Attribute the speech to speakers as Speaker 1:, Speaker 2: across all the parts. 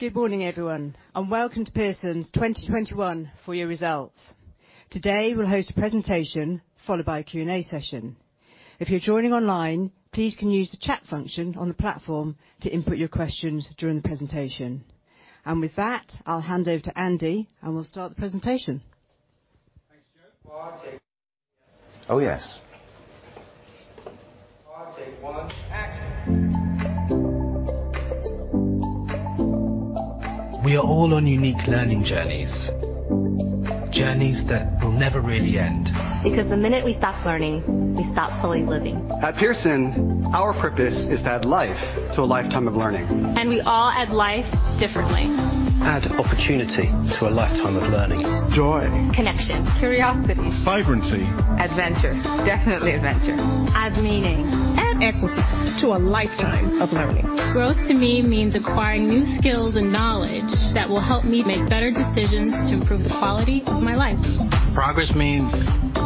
Speaker 1: Good morning, everyone, and welcome to Pearson's 2021 full-year results. Today, we'll host a presentation followed by a Q&A session. If you're joining online, please can you use the chat function on the platform to input your questions during the presentation. With that, I'll hand over to Andy, and we'll start the presentation.
Speaker 2: Thanks, Jo. Quiet please. Oh, yes. Quiet. Take one. Action.
Speaker 3: We are all on unique learning journeys. Journeys that will never really end. Because the minute we stop learning, we stop fully living. At Pearson, our purpose is to add life to a lifetime of learning. We all add life differently. Add opportunity to a lifetime of learning. Joy. Connection. Curiosity. Vibrancy. Adventure. Definitely adventure. Add meaning. Add equity. To a lifetime of learning. Growth to me means acquiring new skills and knowledge that will help me make better decisions to improve the quality of my life. Progress means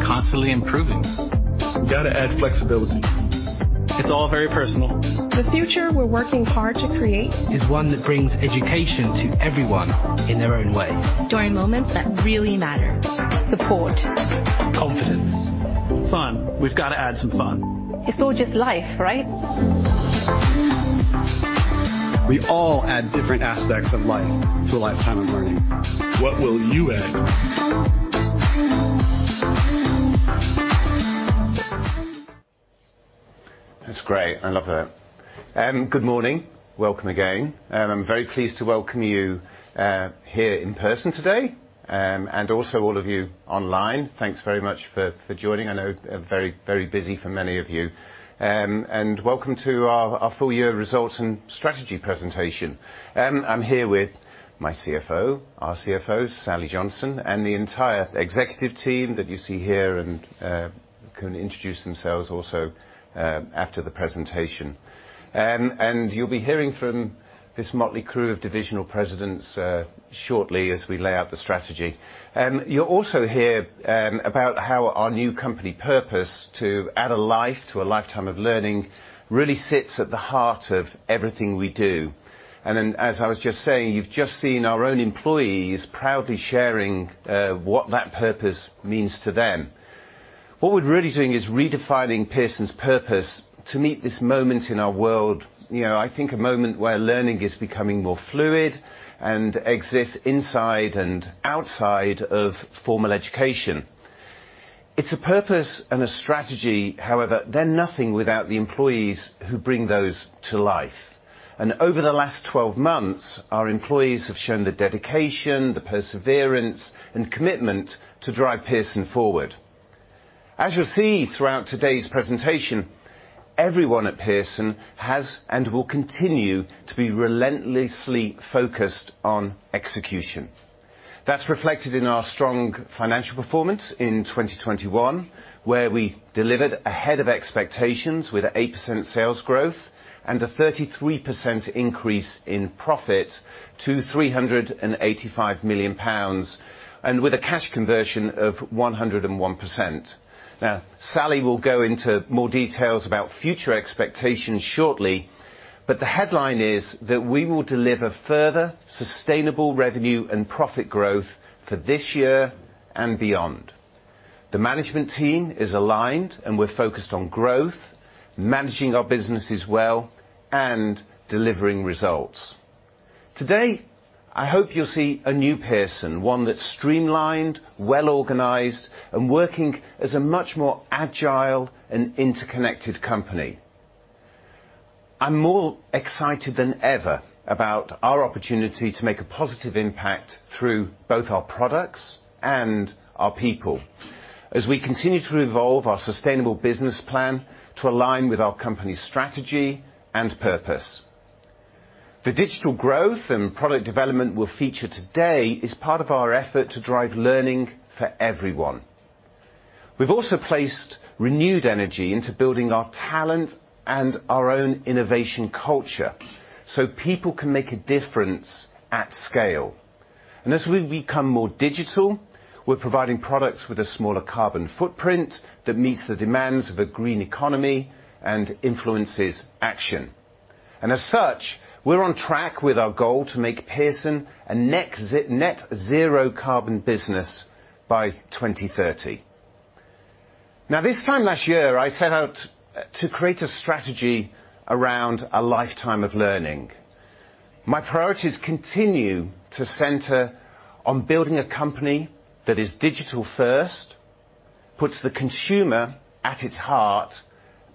Speaker 3: constantly improving. You gotta add flexibility. It's all very personal. The future we're working hard to create. Is one that brings education to everyone in their own way. During moments that really matter. Support. Confidence. Fun. We've got to add some fun. It's all just life, right? We all add different aspects of life to a lifetime of learning. What will you add?
Speaker 2: That's great. I love it. Good morning. Welcome again. I'm very pleased to welcome you here in person today, and also all of you online. Thanks very much for joining. I know it's very busy for many of you. Welcome to our full-year results and strategy presentation. I'm here with my CFO, our CFO, Sally Johnson, and the entire executive team that you see here and can introduce themselves also after the presentation. You'll be hearing from this motley crew of divisional presidents shortly as we lay out the strategy. You'll also hear about how our new company purpose to add life to a lifetime of learning really sits at the heart of everything we do. As I was just saying, you've just seen our own employees proudly sharing what that purpose means to them. What we're really doing is redefining Pearson's purpose to meet this moment in our world. You know, I think a moment where learning is becoming more fluid and exists inside and outside of formal education. It's a purpose and a strategy, however, they're nothing without the employees who bring those to life. Over the last 12 months, our employees have shown the dedication, the perseverance, and commitment to drive Pearson forward. As you'll see throughout today's presentation, everyone at Pearson has and will continue to be relentlessly focused on execution. That's reflected in our strong financial performance in 2021, where we delivered ahead of expectations with 8% sales growth and a 33% increase in profit to 385 million pounds, and with a cash conversion of 101%. Now, Sally will go into more details about future expectations shortly, but the headline is that we will deliver further sustainable revenue and profit growth for this year and beyond. The management team is aligned, and we're focused on growth, managing our businesses well and delivering results. Today, I hope you'll see a new Pearson, one that's streamlined, well-organized, and working as a much more agile and interconnected company. I'm more excited than ever about our opportunity to make a positive impact through both our products and our people as we continue to evolve our sustainable business plan to align with our company's strategy and purpose. The digital growth and product development we'll feature today is part of our effort to drive learning for everyone. We've also placed renewed energy into building our talent and our own innovation culture so people can make a difference at scale. As we've become more digital, we're providing products with a smaller carbon footprint that meets the demands of a green economy and influences action. As such, we're on track with our goal to make Pearson a net zero carbon business by 2030. Now, this time last year, I set out to create a strategy around a lifetime of learning. My priorities continue to center on building a company that is digital first, puts the consumer at its heart,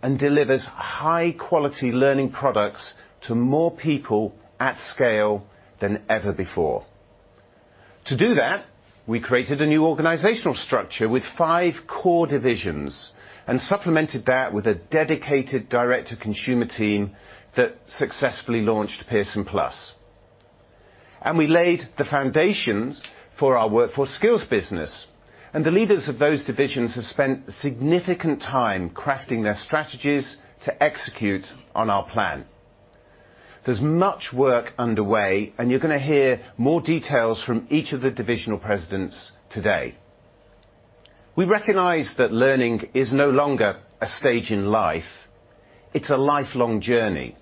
Speaker 2: and delivers high-quality learning products to more people at scale than ever before. To do that, we created a new organizational structure with five core divisions and supplemented that with a dedicated direct-to-consumer team that successfully launched Pearson+. We laid the foundations for our Workforce Skills business. The leaders of those divisions have spent significant time crafting their strategies to execute on our plan. There's much work underway, and you're gonna hear more details from each of the divisional presidents today. We recognize that learning is no longer a stage in life, it's a lifelong journey.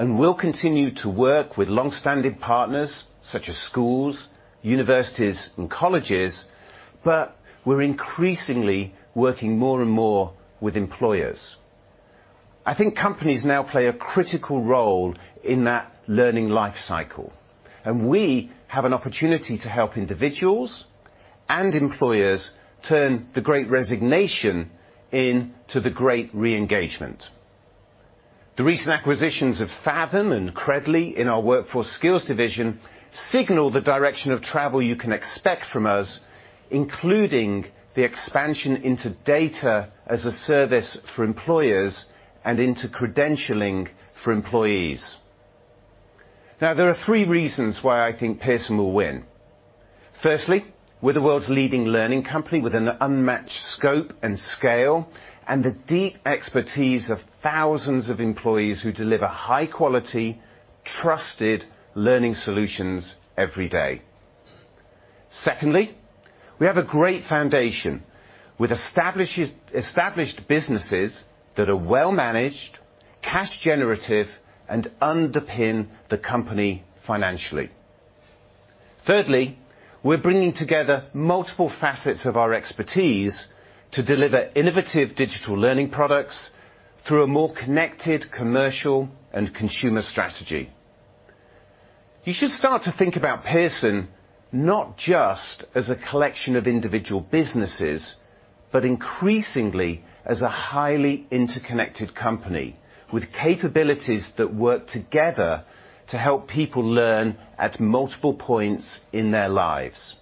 Speaker 2: We'll continue to work with long-standing partners such as schools, universities and colleges, but we're increasingly working more and more with employers. I think companies now play a critical role in that learning life cycle, and we have an opportunity to help individuals and employers turn the great resignation into the great re-engagement. The recent acquisitions of Faethm and Credly in our Workforce Skills division signal the direction of travel you can expect from us, including the expansion into data as a service for employers and into credentialing for employees. Now there are three reasons why I think Pearson will win. Firstly, we're the world's leading learning company with an unmatched scope and scale and the deep expertise of thousands of employees who deliver high-quality, trusted learning solutions every day. Secondly, we have a great foundation with established businesses that are well managed, cash generative, and underpin the company financially. Thirdly, we're bringing together multiple facets of our expertise to deliver innovative digital learning products through a more connected commercial and consumer strategy. You should start to think about Pearson not just as a collection of individual businesses, but increasingly as a highly interconnected company with capabilities that work together to help people learn at multiple points in their lives.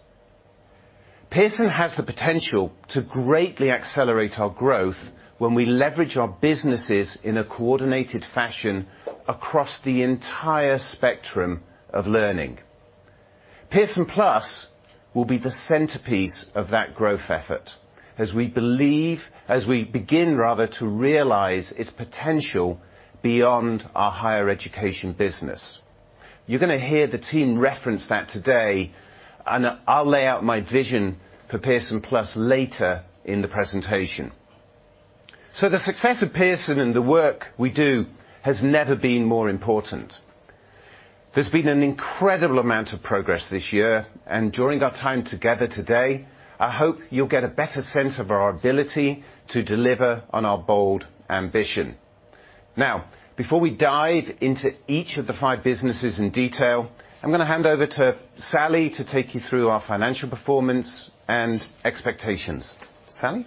Speaker 2: Pearson has the potential to greatly accelerate our growth when we leverage our businesses in a coordinated fashion across the entire spectrum of learning. Pearson+ will be the centerpiece of that growth effort as we begin rather to realize its potential beyond our Higher Education business. You're gonna hear the team reference that today, and I'll lay out my vision for Pearson+ later in the presentation. The success of Pearson and the work we do has never been more important. There's been an incredible amount of progress this year, and during our time together today, I hope you'll get a better sense of our ability to deliver on our bold ambition. Now, before we dive into each of the five businesses in detail, I'm gonna hand over to Sally to take you through our financial performance and expectations. Sally?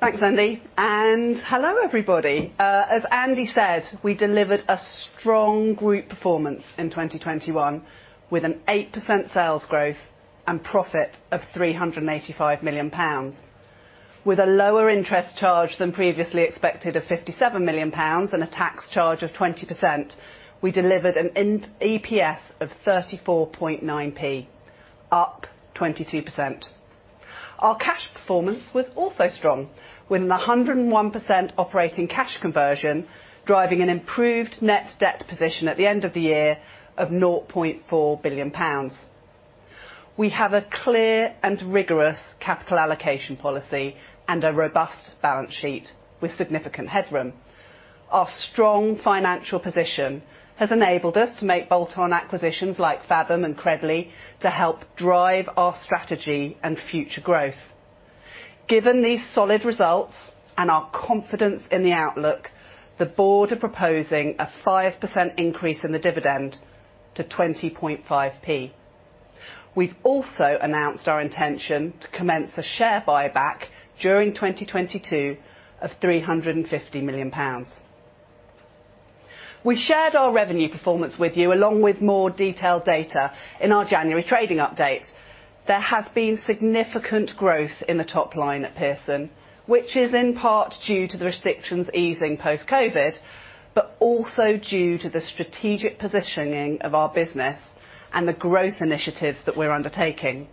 Speaker 4: Thanks, Andy, and hello, everybody. As Andy said, we delivered a strong group performance in 2021, with 8% sales growth and profit of 385 million pounds. With a lower interest charge than previously expected of 57 million pounds and a tax charge of 20%, we delivered an EPS of 0.349, up 22%. Our cash performance was also strong, with 101% operating cash conversion, driving an improved net debt position at the end of the year of 0.4 billion pounds. We have a clear and rigorous capital allocation policy and a robust balance sheet with significant headroom. Our strong financial position has enabled us to make bolt-on acquisitions like Faethm and Credly to help drive our strategy and future growth. Given these solid results and our confidence in the outlook, the board are proposing a 5% increase in the dividend to 20.5p. We've also announced our intention to commence a share buyback during 2022 of 350 million pounds. We shared our revenue performance with you along with more detailed data in our January trading update. There has been significant growth in the top line at Pearson, which is in part due to the restrictions easing post-COVID, but also due to the strategic positioning of our business and the growth initiatives that we're undertaking.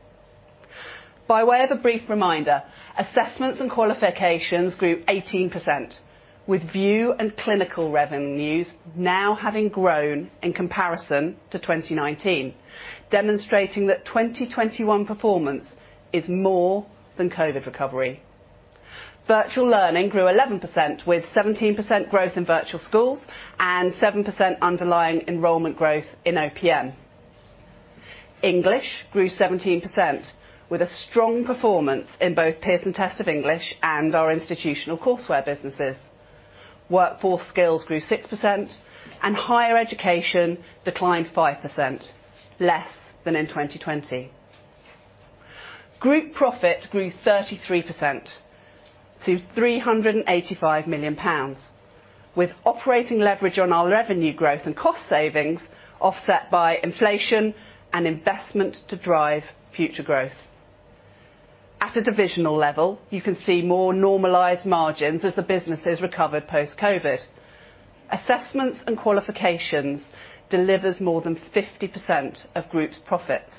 Speaker 4: By way of a brief reminder, Assessment & Qualifications grew 18%, with VUE and clinical revenues now having grown in comparison to 2019, demonstrating that 2021 performance is more than COVID recovery. Virtual Learning grew 11%, with 17% growth in Virtual Schools and 7% underlying enrollment growth in OPM. English grew 17% with a strong performance in both Pearson Test of English and our institutional courseware businesses. Workforce Skills grew 6% and Higher Education declined 5%, less than in 2020. Group profit grew 33% to 385 million pounds, with operating leverage on our revenue growth and cost savings offset by inflation and investment to drive future growth. At a divisional level, you can see more normalized margins as the businesses recovered post-COVID. Assessment & Qualifications delivers more than 50% of group's profits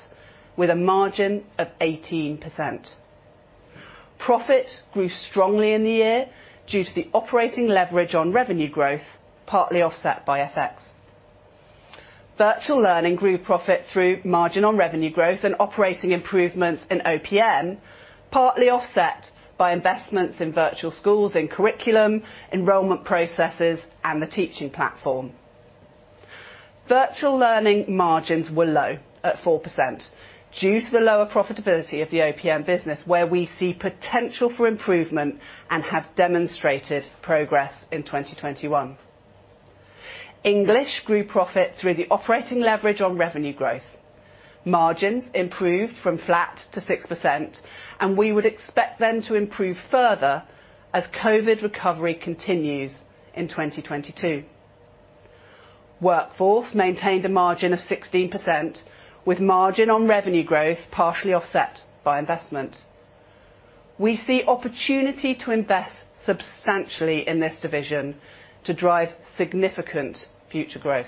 Speaker 4: with a margin of 18%. Profit grew strongly in the year due to the operating leverage on revenue growth, partly offset by FX. Virtual Learning grew profit through margin on revenue growth and operating improvements in OPM, partly offset by investments in virtual schools and curriculum, enrollment processes, and the teaching platform. Virtual Learning margins were low at 4% due to the lower profitability of the OPM business where we see potential for improvement and have demonstrated progress in 2021. English grew profit through the operating leverage on revenue growth. Margins improved from flat to 6%, and we would expect them to improve further as COVID recovery continues in 2022. Workforce maintained a margin of 16% with margin on revenue growth partially offset by investment. We see opportunity to invest substantially in this division to drive significant future growth.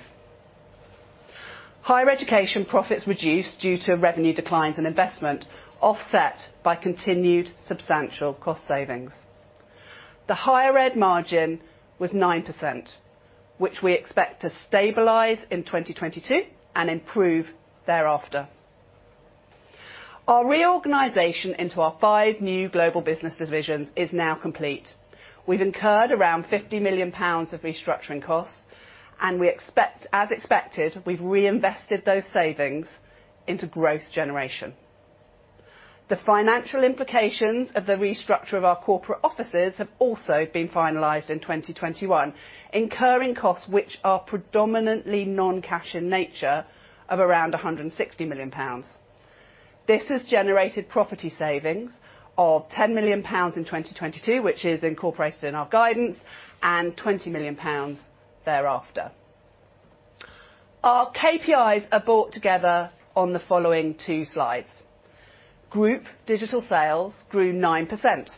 Speaker 4: Higher Education profits reduced due to revenue declines and investment offset by continued substantial cost savings. The Higher Ed margin was 9%, which we expect to stabilize in 2022 and improve thereafter. Our reorganization into our five new global business divisions is now complete. We've incurred around 50 million pounds of restructuring costs, and, as expected, we've reinvested those savings into growth generation. The financial implications of the restructure of our corporate offices have also been finalized in 2021, incurring costs which are predominantly non-cash in nature of around 160 million pounds. This has generated property savings of 10 million pounds in 2022, which is incorporated in our guidance, and 20 million pounds thereafter. Our KPIs are brought together on the following two slides. Group digital sales grew 9%,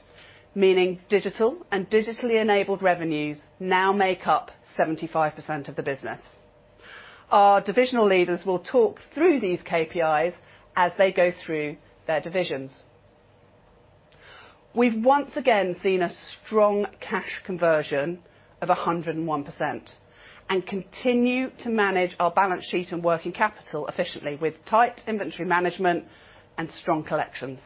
Speaker 4: meaning digital and digitally enabled revenues now make up 75% of the business. Our divisional leaders will talk through these KPIs as they go through their divisions. We've once again seen a strong cash conversion of 101% and continue to manage our balance sheet and working capital efficiently with tight inventory management and strong collections.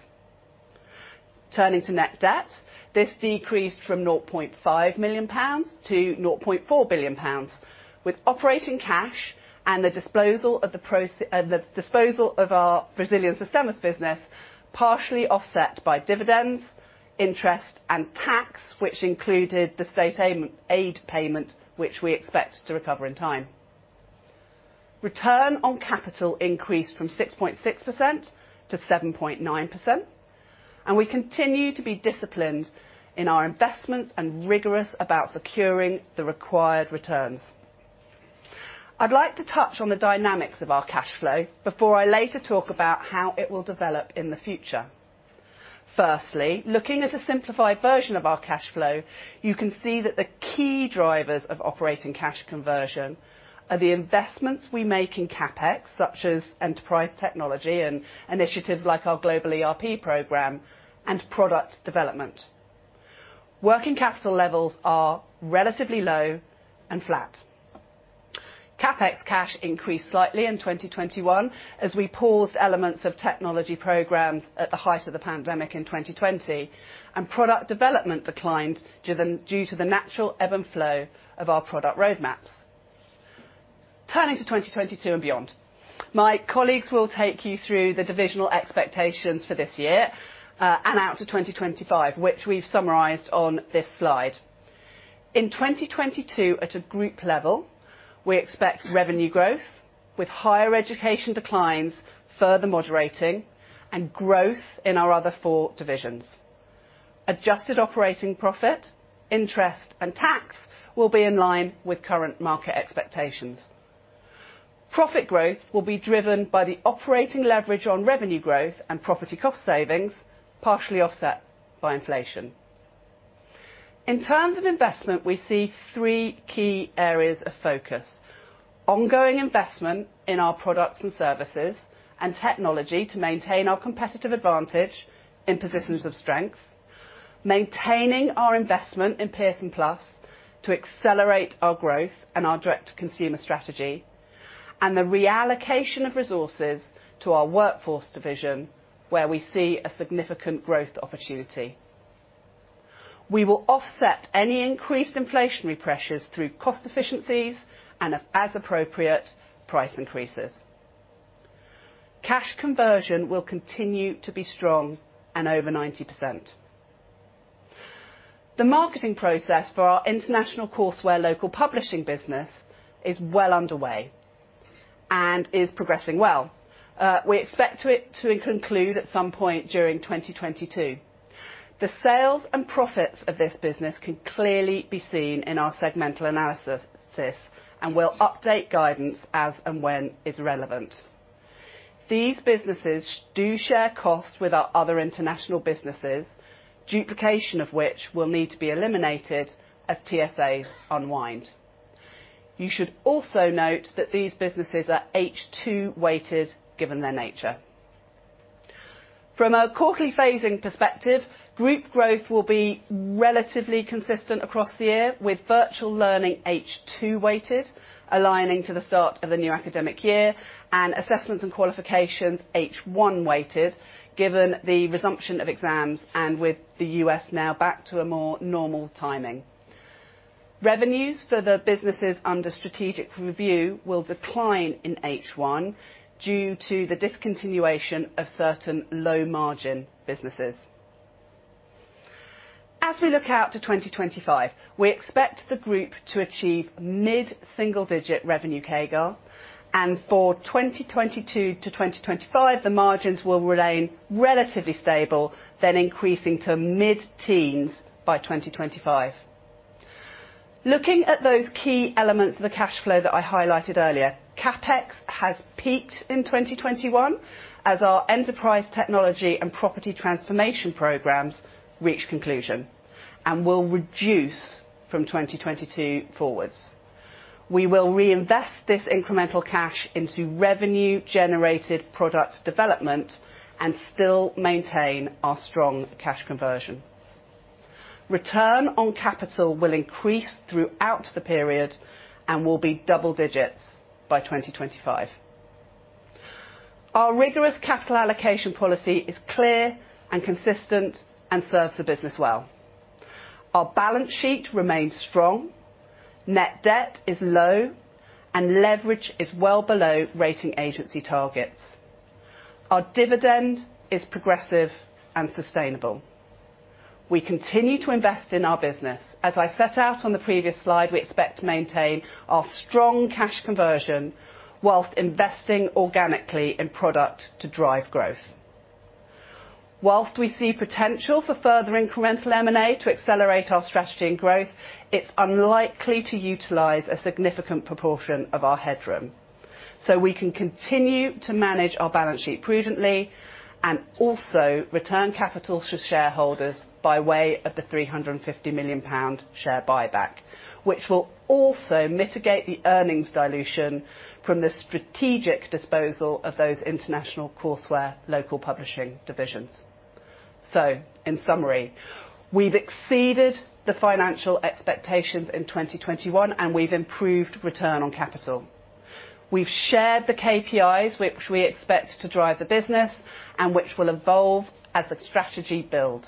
Speaker 4: Turning to net debt, this decreased from 0.5 billion pounds to 0.4 billion pounds, with operating cash and the disposal of our Brazilian Sistemas business partially offset by dividends, interest, and tax, which included the state aid payment, which we expect to recover in time. Return on capital increased from 6.6% to 7.9%, and we continue to be disciplined in our investments and rigorous about securing the required returns. I'd like to touch on the dynamics of our cash flow before I later talk about how it will develop in the future. Firstly, looking at a simplified version of our cash flow, you can see that the key drivers of operating cash conversion are the investments we make in CapEx, such as enterprise technology and initiatives like our global ERP program and product development. Working capital levels are relatively low and flat. CapEx cash increased slightly in 2021 as we paused elements of technology programs at the height of the pandemic in 2020. Product development declined due to the natural ebb and flow of our product roadmaps. Turning to 2022 and beyond, my colleagues will take you through the divisional expectations for this year, and out to 2025, which we've summarized on this slide. In 2022, at a group level, we expect revenue growth with Higher Education declines further moderating and growth in our other four divisions. Adjusted operating profit, interest, and tax will be in line with current market expectations. Profit growth will be driven by the operating leverage on revenue growth and property cost savings, partially offset by inflation. In terms of investment, we see three key areas of focus. Ongoing investment in our products and services and technology to maintain our competitive advantage in positions of strength. Maintaining our investment in Pearson+ to accelerate our growth and our direct-to-consumer strategy. The reallocation of resources to our workforce division, where we see a significant growth opportunity. We will offset any increased inflationary pressures through cost efficiencies and, as appropriate, price increases. Cash conversion will continue to be strong and over 90%. The marketing process for our international courseware local publishing business is well underway and is progressing well. We expect it to conclude at some point during 2022. The sales and profits of this business can clearly be seen in our segmental analysis, and we'll update guidance as and when it's relevant. These businesses do share costs with our other international businesses, duplication of which will need to be eliminated as TSAs unwind. You should also note that these businesses are H2-weighted given their nature. From a quarterly phasing perspective, group growth will be relatively consistent across the year with Virtual Learning H2-weighted, aligning to the start of the new academic year, and Assessment & Qualifications H1-weighted given the resumption of exams and with the U.S. now back to a more normal timing. Revenues for the businesses under strategic review will decline in H1 due to the discontinuation of certain low-margin businesses. As we look out to 2025, we expect the group to achieve mid-single-digit revenue CAGR. For 2022 to 2025, the margins will remain relatively stable, then increasing to mid-teens by 2025. Looking at those key elements of the cash flow that I highlighted earlier, CapEx has peaked in 2021 as our enterprise technology and property transformation programs reach conclusion and will reduce from 2022 forward. We will reinvest this incremental cash into revenue-generated product development and still maintain our strong cash conversion. Return on capital will increase throughout the period and will be double digits by 2025. Our rigorous capital allocation policy is clear and consistent and serves the business well. Our balance sheet remains strong, net debt is low, and leverage is well below rating agency targets. Our dividend is progressive and sustainable. We continue to invest in our business. As I set out on the previous slide, we expect to maintain our strong cash conversion while investing organically in product to drive growth. While we see potential for further incremental M&A to accelerate our strategy and growth, it's unlikely to utilize a significant proportion of our headroom. We can continue to manage our balance sheet prudently and also return capital to shareholders by way of the 350 million pound share buyback, which will also mitigate the earnings dilution from the strategic disposal of those international courseware local publishing divisions. In summary, we've exceeded the financial expectations in 2021, and we've improved return on capital. We've shared the KPIs which we expect to drive the business and which will evolve as the strategy builds.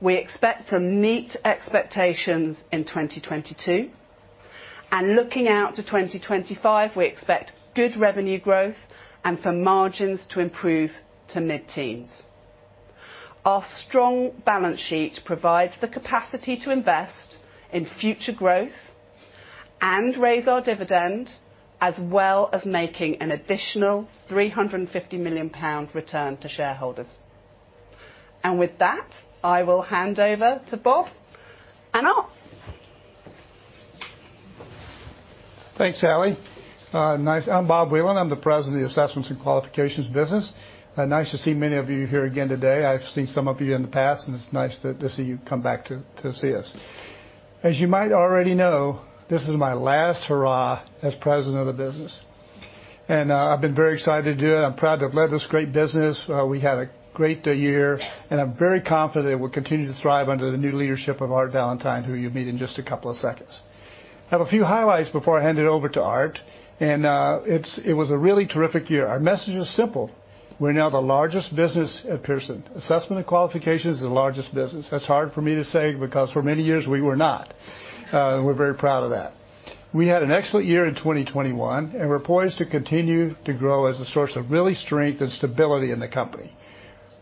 Speaker 4: We expect to meet expectations in 2022. Looking out to 2025, we expect good revenue growth and for margins to improve to mid-teens. Our strong balance sheet provides the capacity to invest in future growth and raise our dividend, as well as making an additional 350 million pound return to shareholders. With that, I will hand over to Bob.
Speaker 5: Thanks, Sally. I'm Bob Whelan. I'm the President of the Assessment & Qualifications business. Nice to see many of you here again today. I've seen some of you in the past, and it's nice to see you come back to see us. As you might already know, this is my last hurrah as President of the business. I've been very excited to do it. I'm proud to have led this great business. We had a great year, and I'm very confident it will continue to thrive under the new leadership of Art Valentine, who you'll meet in just a couple of seconds. I have a few highlights before I hand it over to Art. It was a really terrific year. Our message is simple. We're now the largest business at Pearson. Assessment & Qualifications is the largest business. That's hard for me to say because for many years we were not. We're very proud of that. We had an excellent year in 2021, and we're poised to continue to grow as a source of real strength and stability in the company.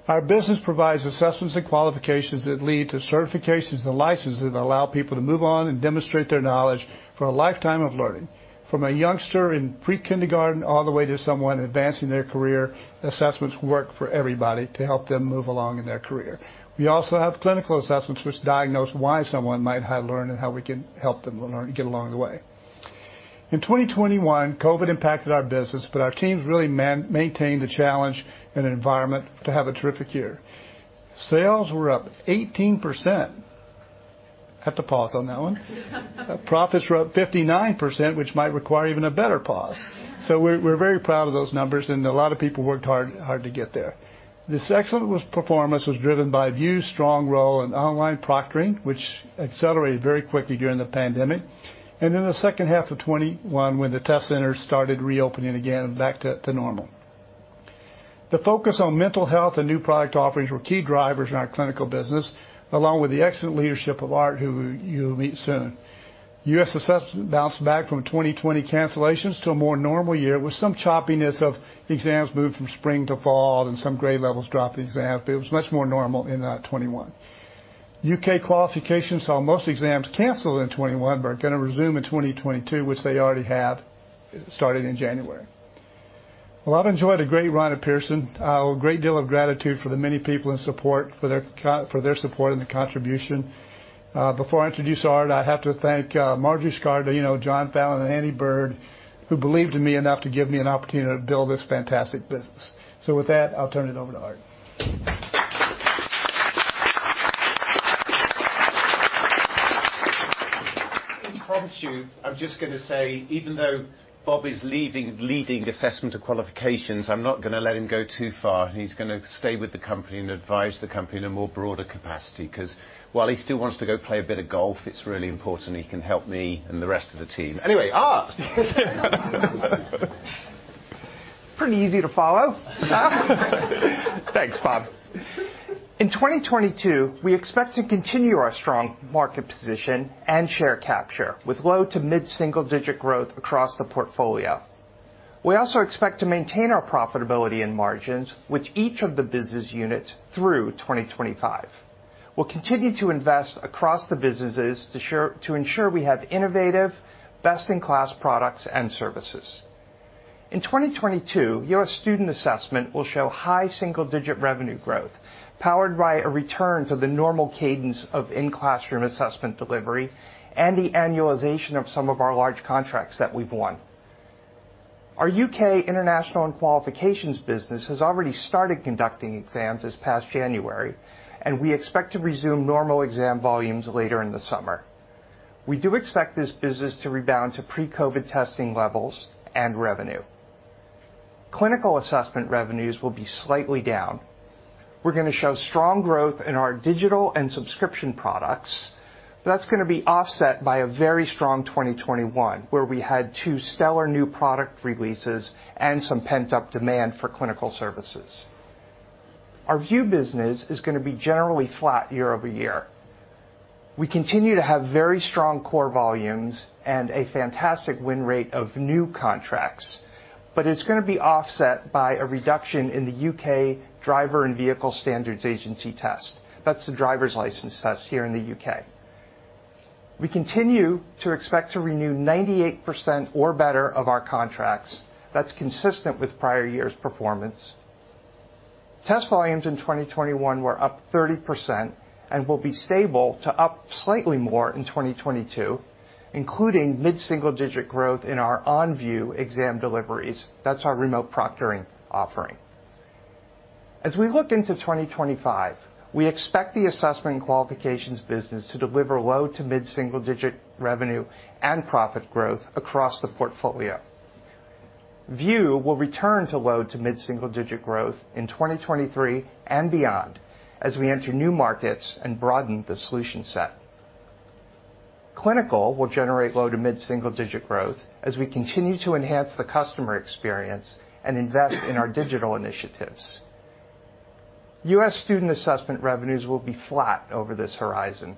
Speaker 5: Our business provides assessments and qualifications that lead to certifications and licenses that allow people to move on and demonstrate their knowledge for a lifetime of learning. From a youngster in pre-kindergarten all the way to someone advancing their career, assessments work for everybody to help them move along in their career. We also have clinical assessments which diagnose why someone might have learned and how we can help them learn get along the way. In 2021, COVID impacted our business, but our teams really maintained the challenge and environment to have a terrific year. Sales were up 18%. Have to pause on that one. Profits were up 59%, which might require even a better pause. We're very proud of those numbers, and a lot of people worked hard to get there. This excellent performance was driven by VUE's strong role in online proctoring, which accelerated very quickly during the pandemic, and in the second half of 2021 when the test centers started reopening again back to normal. The focus on mental health and new product offerings were key drivers in our clinical business, along with the excellent leadership of Art, who you'll meet soon. U.S. Assessment bounced back from 2020 cancellations to a more normal year with some choppiness of exams moving from spring to fall and some grade levels dropping exams, but it was much more normal in 2021. U.K. Qualifications saw most exams canceled in 2021 but are gonna resume in 2022, which they already have, started in January. Well, I've enjoyed a great run at Pearson. I owe a great deal of gratitude for the many people and support for their support and the contribution. Before I introduce Art, I have to thank Marjorie Scardino, John Fallon, and Andy Bird, who believed in me enough to give me an opportunity to build this fantastic business. With that, I'll turn it over to Art.
Speaker 2: I'm just gonna say, even though Bob is leaving leading Assessment & Qualifications, I'm not gonna let him go too far. He's gonna stay with the company and advise the company in a more broader capacity, 'cause while he still wants to go play a bit of golf, it's really important he can help me and the rest of the team. Anyway, Art.
Speaker 5: Pretty easy to follow.
Speaker 6: Thanks, Bob. In 2022, we expect to continue our strong market position and share capture with low- to mid-single-digit growth across the portfolio. We also expect to maintain our profitability and margins with each of the business units through 2025. We'll continue to invest across the businesses to ensure we have innovative, best-in-class products and services. In 2022, U.S. Student Assessment will show high-single-digit revenue growth, powered by a return to the normal cadence of in-classroom assessment delivery and the annualization of some of our large contracts that we've won. Our U.K. International and Qualifications business has already started conducting exams this past January, and we expect to resume normal exam volumes later in the summer. We do expect this business to rebound to pre-COVID testing levels and revenue. Clinical Assessment revenues will be slightly down. We're gonna show strong growth in our digital and subscription products. That's gonna be offset by a very strong 2021, where we had two stellar new product releases and some pent-up demand for clinical services. Our VUE business is gonna be generally flat year over year. We continue to have very strong core volumes and a fantastic win rate of new contracts, but it's gonna be offset by a reduction in the U.K. Driver and Vehicle Standards Agency test. That's the driver's license test here in the U.K. We continue to expect to renew 98% or better of our contracts. That's consistent with prior years' performance. Test volumes in 2021 were up 30% and will be stable to up slightly more in 2022, including mid-single-digit growth in our OnVUE exam deliveries. That's our remote proctoring offering. As we look into 2025, we expect the Assessment & Qualifications business to deliver low- to mid-single-digit revenue and profit growth across the portfolio. VUE will return to low- to mid-single-digit growth in 2023 and beyond as we enter new markets and broaden the solution set. Clinical will generate low- to mid-single-digit growth as we continue to enhance the customer experience and invest in our digital initiatives. U.S. Student Assessment revenues will be flat over this horizon.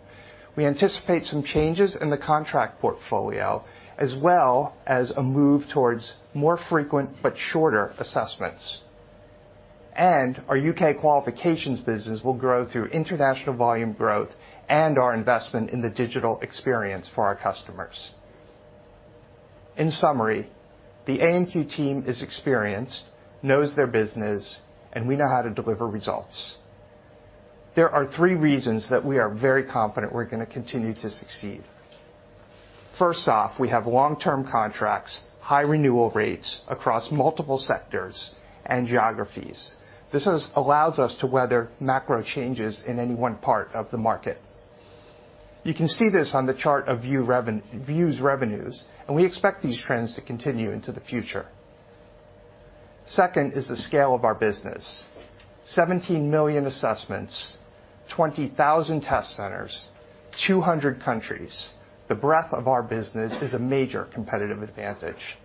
Speaker 6: We anticipate some changes in the contract portfolio, as well as a move towards more frequent but shorter assessments. Our U.K. Qualifications business will grow through international volume growth and our investment in the digital experience for our customers. In summary, the A&Q team is experienced, knows their business, and we know how to deliver results. There are three reasons that we are very confident we're gonna continue to succeed. First off, we have long-term contracts, high renewal rates across multiple sectors and geographies. This allows us to weather macro changes in any one part of the market. You can see this on the chart of VUE's revenues, and we expect these trends to continue into the future. Second is the scale of our business. 17 million assessments, 20,000 test centers, 200 countries. The breadth of our business is a major competitive advantage.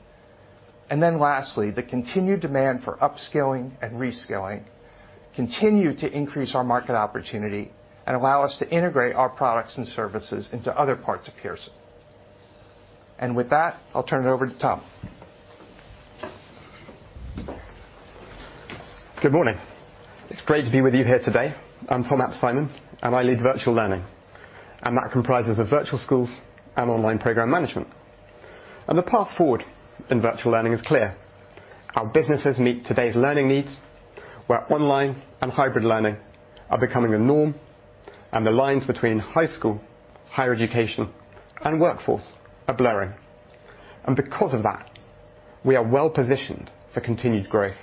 Speaker 6: Then lastly, the continued demand for upskilling and reskilling continue to increase our market opportunity and allow us to integrate our products and services into other parts of Pearson. With that, I'll turn it over to Tom.
Speaker 7: Good morning. It's great to be with you here today. I'm Tom ap Simon, and I lead Virtual Learning, and that comprises of Virtual Schools and Online Program Management. The path forward in Virtual Learning is clear. Our businesses meet today's learning needs, where online and hybrid learning are becoming the norm and the lines between high school, Higher Education, and workforce are blurring. Because of that, we are well-positioned for continued growth.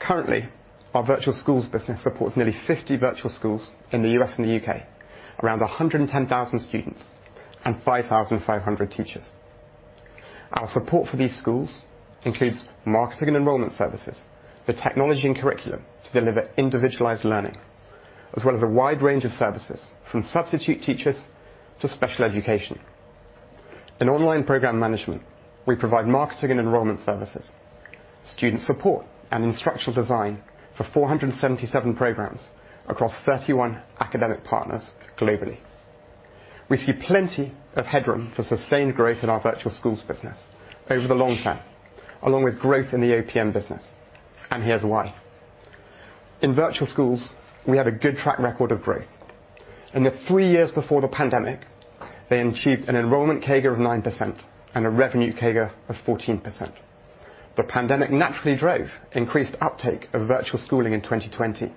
Speaker 7: Currently, our Virtual Schools business supports nearly 50 virtual schools in the U.S. and the U.K., around 110,000 students and 5,500 teachers. Our support for these schools includes marketing and enrollment services, the technology and curriculum to deliver individualized learning, as well as a wide range of services from substitute teachers to special education. In Online Program Management, we provide marketing and enrollment services, student support and instructional design for 477 programs across 31 academic partners globally. We see plenty of headroom for sustained growth in our Virtual Schools business over the long term, along with growth in the OPM business, and here's why. In Virtual Schools, we have a good track record of growth. In the three years before the pandemic, they achieved an enrollment CAGR of 9% and a revenue CAGR of 14%. The pandemic naturally drove increased uptake of virtual schooling in 2020,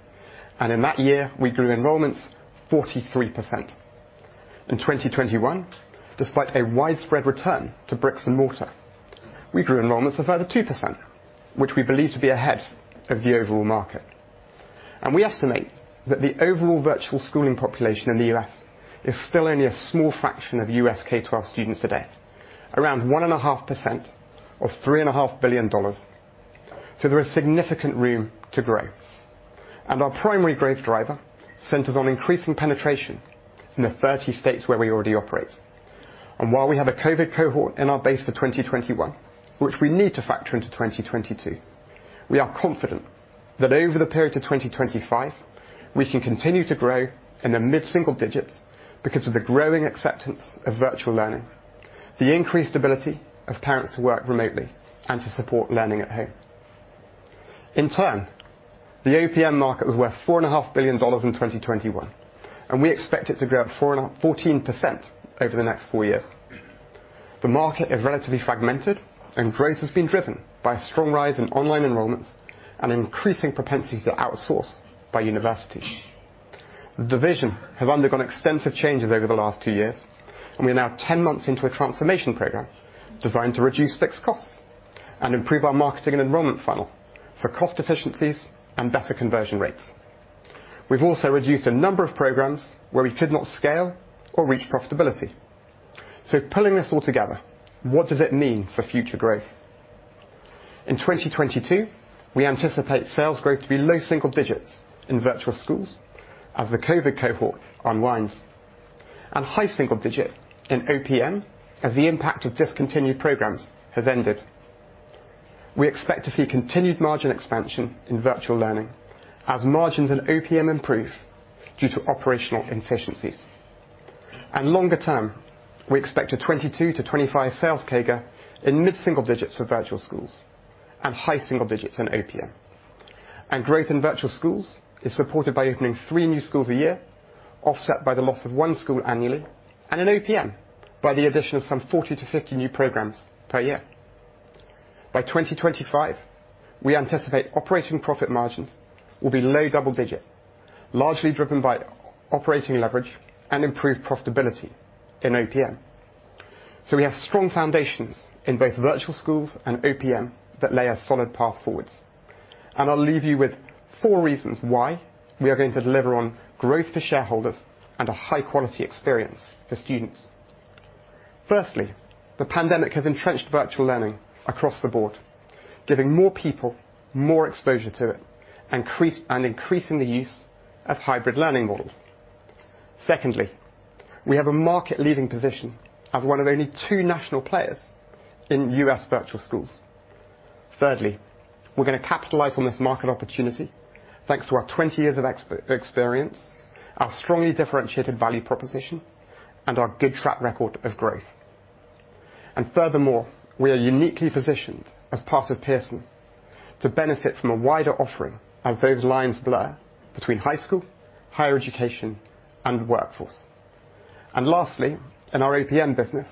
Speaker 7: and in that year, we grew enrollments 43%. In 2021, despite a widespread return to bricks and mortar, we grew enrollments a further 2%, which we believe to be ahead of the overall market. We estimate that the overall virtual schooling population in the U.S. is still only a small fraction of U.S. K-12 students today, around 1.5% or $3.5 billion. There is significant room to grow. Our primary growth driver centers on increasing penetration in the 30 states where we already operate. While we have a COVID cohort in our base for 2021, which we need to factor into 2022, we are confident that over the period to 2025, we can continue to grow in the mid-single digits because of the growing acceptance of virtual learning, the increased ability of parents to work remotely and to support learning at home. In turn, the OPM market was worth $4.5 billion in 2021, and we expect it to grow at 14% over the next four years. The market is relatively fragmented and growth has been driven by a strong rise in online enrollments and increasing propensity to outsource by universities. The division has undergone extensive changes over the last two years, and we are now 10 months into a transformation program designed to reduce fixed costs and improve our marketing and enrollment funnel for cost efficiencies and better conversion rates. We've also reduced a number of programs where we could not scale or reach profitability. Pulling this all together, what does it mean for future growth? In 2022, we anticipate sales growth to be low-single-digit in Virtual Schools as the COVID cohort unwinds, and high-single-digit in OPM as the impact of discontinued programs has ended. We expect to see continued margin expansion in Virtual Learning as margins in OPM improve due to operational efficiencies. Longer term, we expect a 2022-2025 sales CAGR in mid-single-digit for Virtual Schools and high-single-digit in OPM. Growth in Virtual Schools is supported by opening three new schools a year, offset by the loss of one school annually. In OPM, by the addition of some 40-50 new programs per year. By 2025, we anticipate operating profit margins will be low-double-digit, largely driven by operating leverage and improved profitability in OPM. We have strong foundations in both virtual schools and OPM that lay a solid path forward. I'll leave you with four reasons why we are going to deliver on growth for shareholders and a high-quality experience for students. Firstly, the pandemic has entrenched virtual learning across the board, giving more people more exposure to it, and increasing the use of hybrid learning models. Secondly, we have a market-leading position as one of only two national players in U.S. virtual schools. Thirdly, we're gonna capitalize on this market opportunity thanks to our 20 years of experience, our strongly differentiated value proposition, and our good track record of growth. Furthermore, we are uniquely positioned as part of Pearson to benefit from a wider offering as those lines blur between High School, Higher Education, and Workforce. Lastly, in our OPM business,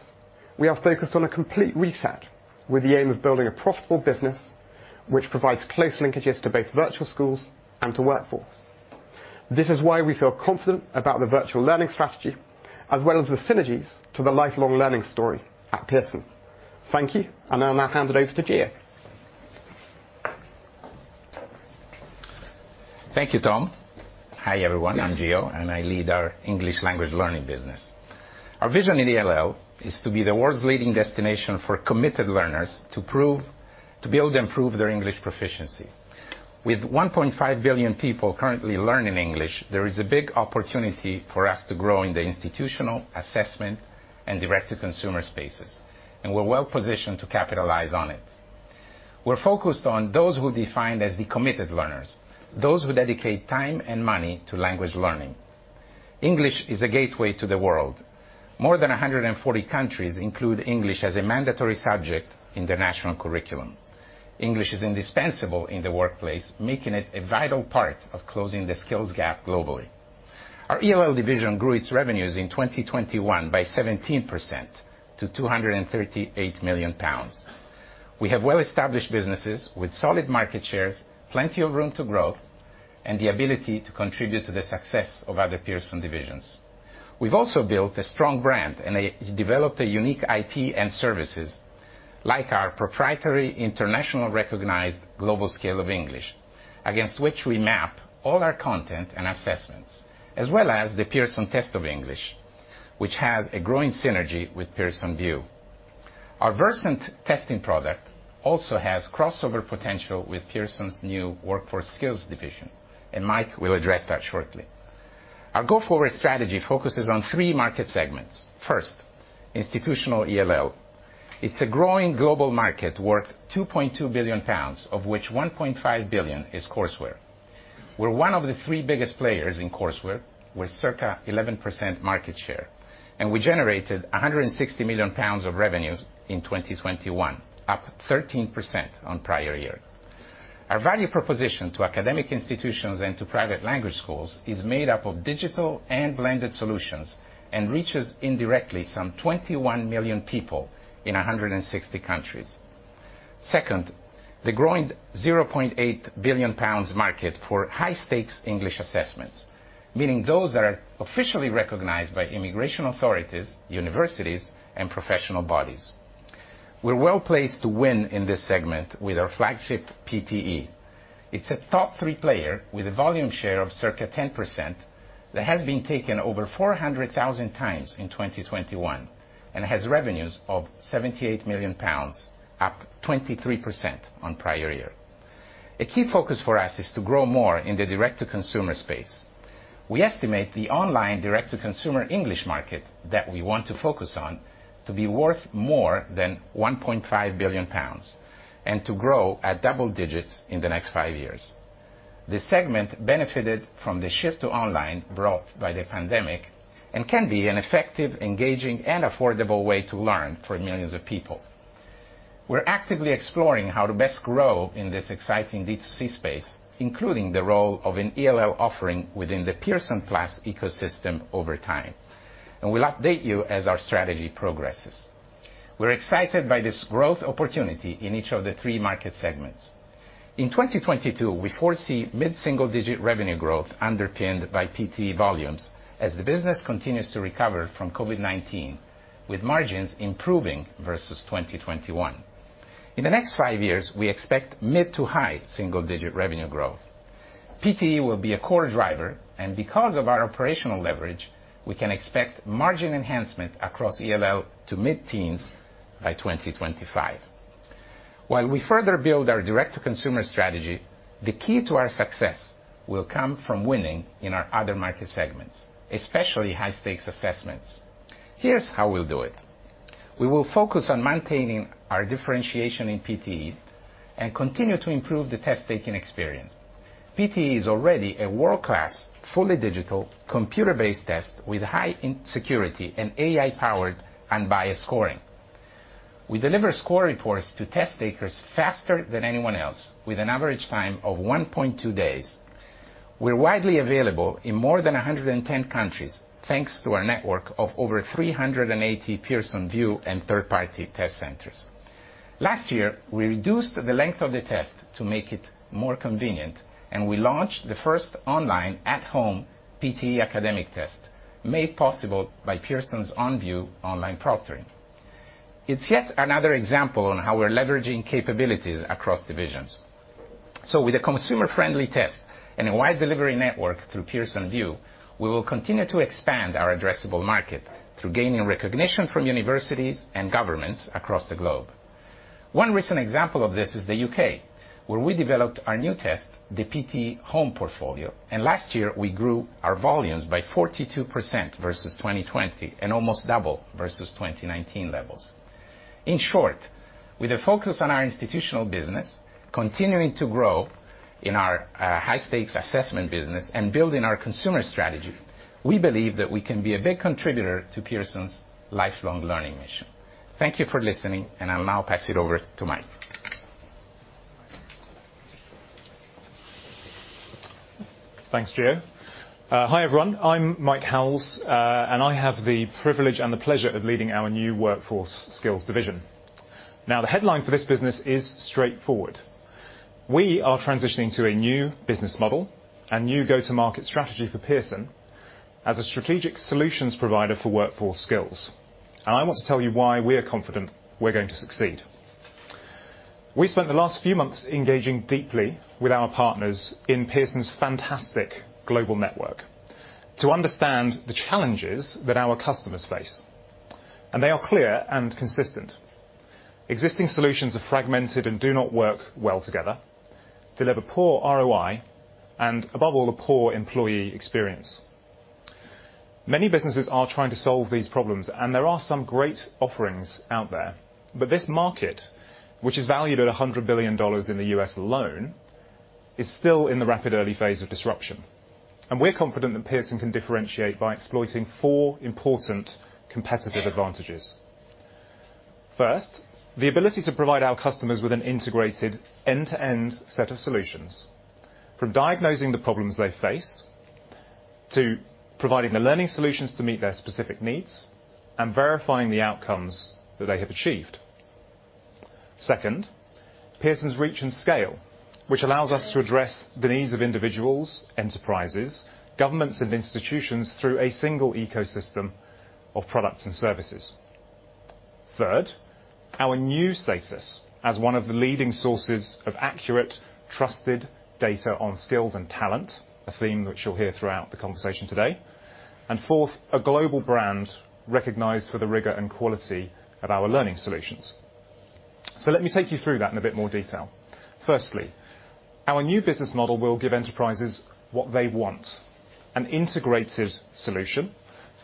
Speaker 7: we are focused on a complete reset with the aim of building a profitable business which provides close linkages to both Virtual Schools and to workforce. This is why we feel confident about the Virtual Learning strategy as well as the synergies to the lifelong learning story at Pearson. Thank you, and I'll now hand it over to Gio.
Speaker 8: Thank you, Tom. Hi, everyone. I'm Gio, and I lead our English Language Learning business. Our vision in ELL is to be the world's leading destination for committed learners to be able to improve their English proficiency. With 1.5 billion people currently learning English, there is a big opportunity for us to grow in the institutional, assessment, and direct-to-consumer spaces, and we're well-positioned to capitalize on it. We're focused on those who we defined as the committed learners, those who dedicate time and money to language learning. English is a gateway to the world. More than 140 countries include English as a mandatory subject in their national curriculum. English is indispensable in the workplace, making it a vital part of closing the skills gap globally. Our ELL division grew its revenues in 2021 by 17% to 238 million pounds. We have well-established businesses with solid market shares, plenty of room to grow, and the ability to contribute to the success of other Pearson divisions. We've also built a strong brand and developed a unique IP and services like our proprietary internationally recognized Global Scale of English, against which we map all our content and assessments, as well as the Pearson Test of English, which has a growing synergy with Pearson VUE. Our Versant testing product also has crossover potential with Pearson's new Workforce Skills division, and Mike will address that shortly. Our go-forward strategy focuses on three market segments. First, institutional ELL. It's a growing global market worth 2.2 billion pounds, of which 1.5 billion is courseware. We're one of the three biggest players in courseware with circa 11% market share, and we generated 160 million pounds of revenues in 2021, up 13% on prior year. Our value proposition to academic institutions and to private language schools is made up of digital and blended solutions and reaches indirectly some 21 million people in 160 countries. Second, the growing 0.8 billion pounds market for high-stakes English assessments, meaning those that are officially recognized by immigration authorities, universities, and professional bodies. We're well-placed to win in this segment with our flagship PTE. It's a top three player with a volume share of circa 10% that has been taken over 400,000 times in 2021 and has revenues of 78 million pounds, up 23% on prior year. A key focus for us is to grow more in the direct-to-consumer space. We estimate the online direct-to-consumer English market that we want to focus on to be worth more than 1.5 billion pounds and to grow at double digits in the next five years. This segment benefited from the shift to online brought by the pandemic and can be an effective, engaging, and affordable way to learn for millions of people. We're actively exploring how to best grow in this exciting D2C space, including the role of an ELL offering within the Pearson+ ecosystem over time. We'll update you as our strategy progresses. We're excited by this growth opportunity in each of the three market segments. In 2022, we foresee mid-single-digit revenue growth underpinned by PTE volumes as the business continues to recover from COVID-19, with margins improving versus 2021. In the next five years, we expect mid- to high single-digit revenue growth. PTE will be a core driver, and because of our operational leverage, we can expect margin enhancement across ELL to mid-teens by 2025. While we further build our direct-to-consumer strategy, the key to our success will come from winning in our other market segments, especially high-stakes assessments. Here's how we'll do it. We will focus on maintaining our differentiation in PTE and continue to improve the test-taking experience. PTE is already a world-class, fully digital, computer-based test with high security and AI-powered and unbiased scoring. We deliver score reports to test takers faster than anyone else with an average time of 1.2 days. We're widely available in more than 110 countries, thanks to our network of over 380 Pearson VUE and third-party test centers. Last year, we reduced the length of the test to make it more convenient, and we launched the first online at-home PTE Academic test, made possible by Pearson OnVUE online proctoring. It's yet another example of how we're leveraging capabilities across divisions. With a consumer-friendly test and a wide delivery network through Pearson VUE, we will continue to expand our addressable market through gaining recognition from universities and governments across the globe. One recent example of this is the U.K., where we developed our new test, the PTE Home, and last year, we grew our volumes by 42% versus 2020 and almost double versus 2019 levels. In short, with a focus on our institutional business, continuing to grow in our high-stakes assessment business and building our consumer strategy, we believe that we can be a big contributor to Pearson's lifelong learning mission. Thank you for listening, and I'll now pass it over to Mike.
Speaker 9: Thanks, Gio. Hi, everyone. I'm Mike Howells, and I have the privilege and the pleasure of leading our new Workforce Skills division. Now, the headline for this business is straightforward. We are transitioning to a new business model and new go-to-market strategy for Pearson as a strategic solutions provider for workforce skills. I want to tell you why we are confident we're going to succeed. We spent the last few months engaging deeply with our partners in Pearson's fantastic global network to understand the challenges that our customers face, and they are clear and consistent. Existing solutions are fragmented and do not work well together, deliver poor ROI, and above all, a poor employee experience. Many businesses are trying to solve these problems, and there are some great offerings out there. This market, which is valued at $100 billion in the U.S. alone, is still in the rapid early phase of disruption. We're confident that Pearson can differentiate by exploiting four important competitive advantages. First, the ability to provide our customers with an integrated end-to-end set of solutions, from diagnosing the problems they face to providing the learning solutions to meet their specific needs and verifying the outcomes that they have achieved. Second, Pearson's reach and scale, which allows us to address the needs of individuals, enterprises, governments, and institutions through a single ecosystem of products and services. Third, our new status as one of the leading sources of accurate, trusted data on skills and talent, a theme which you'll hear throughout the conversation today. Fourth, a global brand recognized for the rigor and quality of our learning solutions. Let me take you through that in a bit more detail. Firstly, our new business model will give enterprises what they want, an integrated solution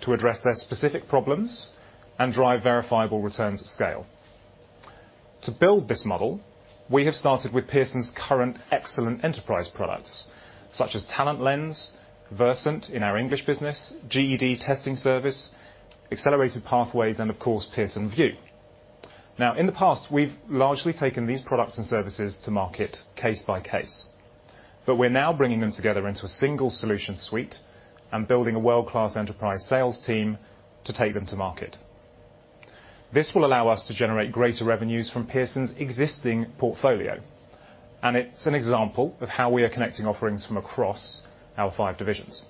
Speaker 9: to address their specific problems and drive verifiable returns at scale. To build this model, we have started with Pearson's current excellent enterprise products such as TalentLens, Versant in our English business, GED Testing Service, Accelerated Pathways, and of course, Pearson VUE. Now, in the past, we've largely taken these products and services to market case by case, but we're now bringing them together into a single solution suite and building a world-class enterprise sales team to take them to market. This will allow us to generate greater revenues from Pearson's existing portfolio, and it's an example of how we are connecting offerings from across our five divisions.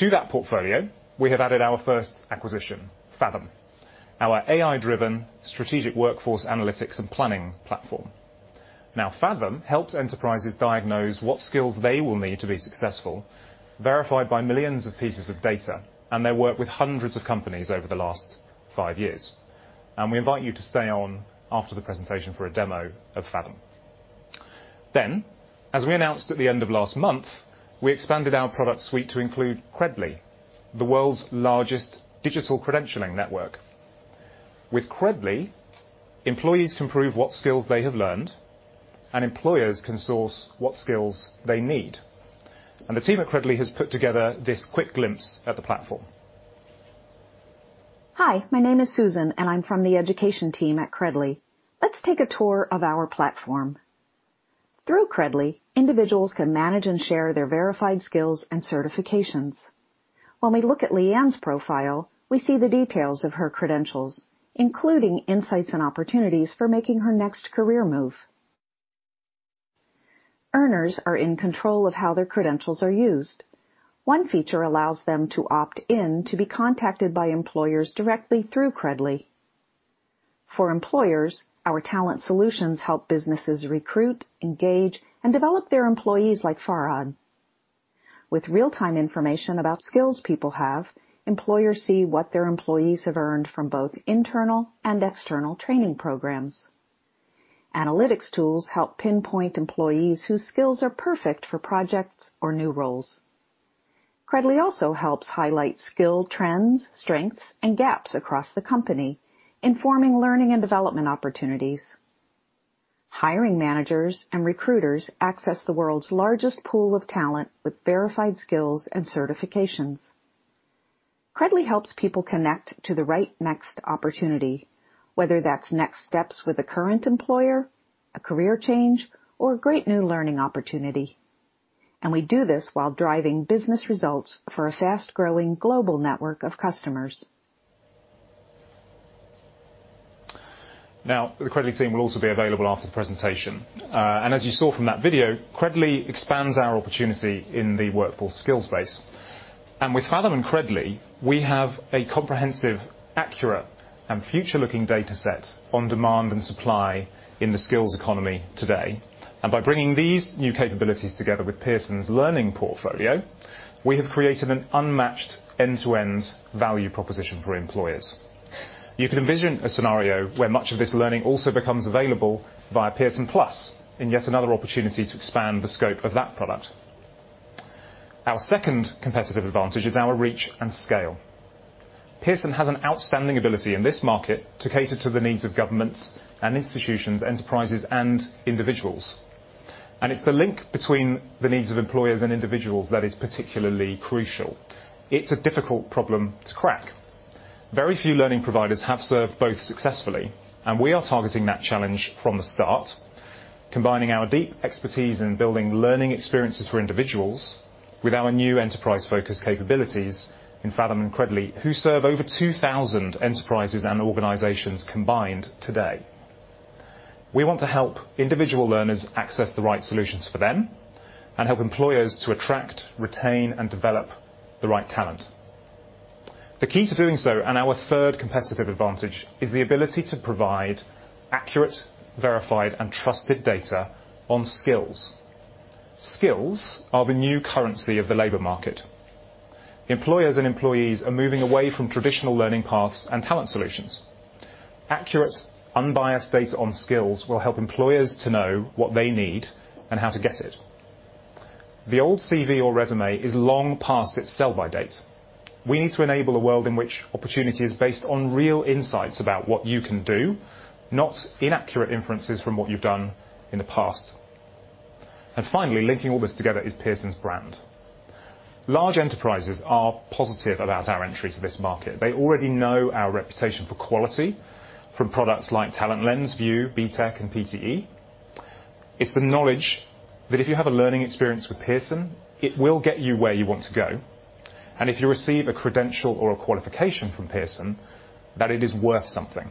Speaker 9: To that portfolio, we have added our first acquisition, Faethm, our AI-driven strategic workforce analytics and planning platform. Now, Faethm helps enterprises diagnose what skills they will need to be successful, verified by millions of pieces of data, and they worked with hundreds of companies over the last five years. We invite you to stay on after the presentation for a demo of Faethm. As we announced at the end of last month, we expanded our product suite to include Credly, the world's largest digital credentialing network. With Credly, employees can prove what skills they have learned and employers can source what skills they need. The team at Credly has put together this quick glimpse at the platform.
Speaker 3: Hi, my name is Susan, and I'm from the education team at Credly. Let's take a tour of our platform. Through Credly, individuals can manage and share their verified skills and certifications. When we look at Leanne's profile, we see the details of her credentials, including insights and opportunities for making her next career move. Earners are in control of how their credentials are used. One feature allows them to opt in to be contacted by employers directly through Credly. For employers, our talent solutions help businesses recruit, engage, and develop their employees like Faethm. With real-time information about skills people have, employers see what their employees have earned from both internal and external training programs. Analytics tools help pinpoint employees whose skills are perfect for projects or new roles. Credly also helps highlight skill trends, strengths, and gaps across the company, informing learning and development opportunities. Hiring managers and recruiters access the world's largest pool of talent with verified skills and certifications. Credly helps people connect to the right next opportunity, whether that's next steps with a current employer, a career change, or a great new learning opportunity. We do this while driving business results for a fast-growing global network of customers.
Speaker 9: Now, the Credly team will also be available after the presentation. As you saw from that video, Credly expands our opportunity in the Workforce Skills space. With Faethm and Credly, we have a comprehensive, accurate, and future-looking data set on demand and supply in the skills economy today. By bringing these new capabilities together with Pearson's learning portfolio, we have created an unmatched end-to-end value proposition for employers. You can envision a scenario where much of this learning also becomes available via Pearson+ in yet another opportunity to expand the scope of that product. Our second competitive advantage is our reach and scale. Pearson has an outstanding ability in this market to cater to the needs of governments and institutions, enterprises, and individuals. It's the link between the needs of employers and individuals that is particularly crucial. It's a difficult problem to crack. Very few learning providers have served both successfully, and we are targeting that challenge from the start, combining our deep expertise in building learning experiences for individuals with our new enterprise-focused capabilities in Faethm and Credly, who serve over 2,000 enterprises and organizations combined today. We want to help individual learners access the right solutions for them and help employers to attract, retain, and develop the right talent. The key to doing so, and our third competitive advantage, is the ability to provide accurate, verified, and trusted data on skills. Skills are the new currency of the labor market. Employers and employees are moving away from traditional learning paths and talent solutions. Accurate, unbiased data on skills will help employers to know what they need and how to get it. The old CV or resume is long past its sell-by date. We need to enable a world in which opportunity is based on real insights about what you can do, not inaccurate inferences from what you've done in the past. Finally, linking all this together is Pearson's brand. Large enterprises are positive about our entry to this market. They already know our reputation for quality from products like TalentLens, VUE, BTEC, and PTE. It's the knowledge that if you have a learning experience with Pearson, it will get you where you want to go. If you receive a credential or a qualification from Pearson, that it is worth something.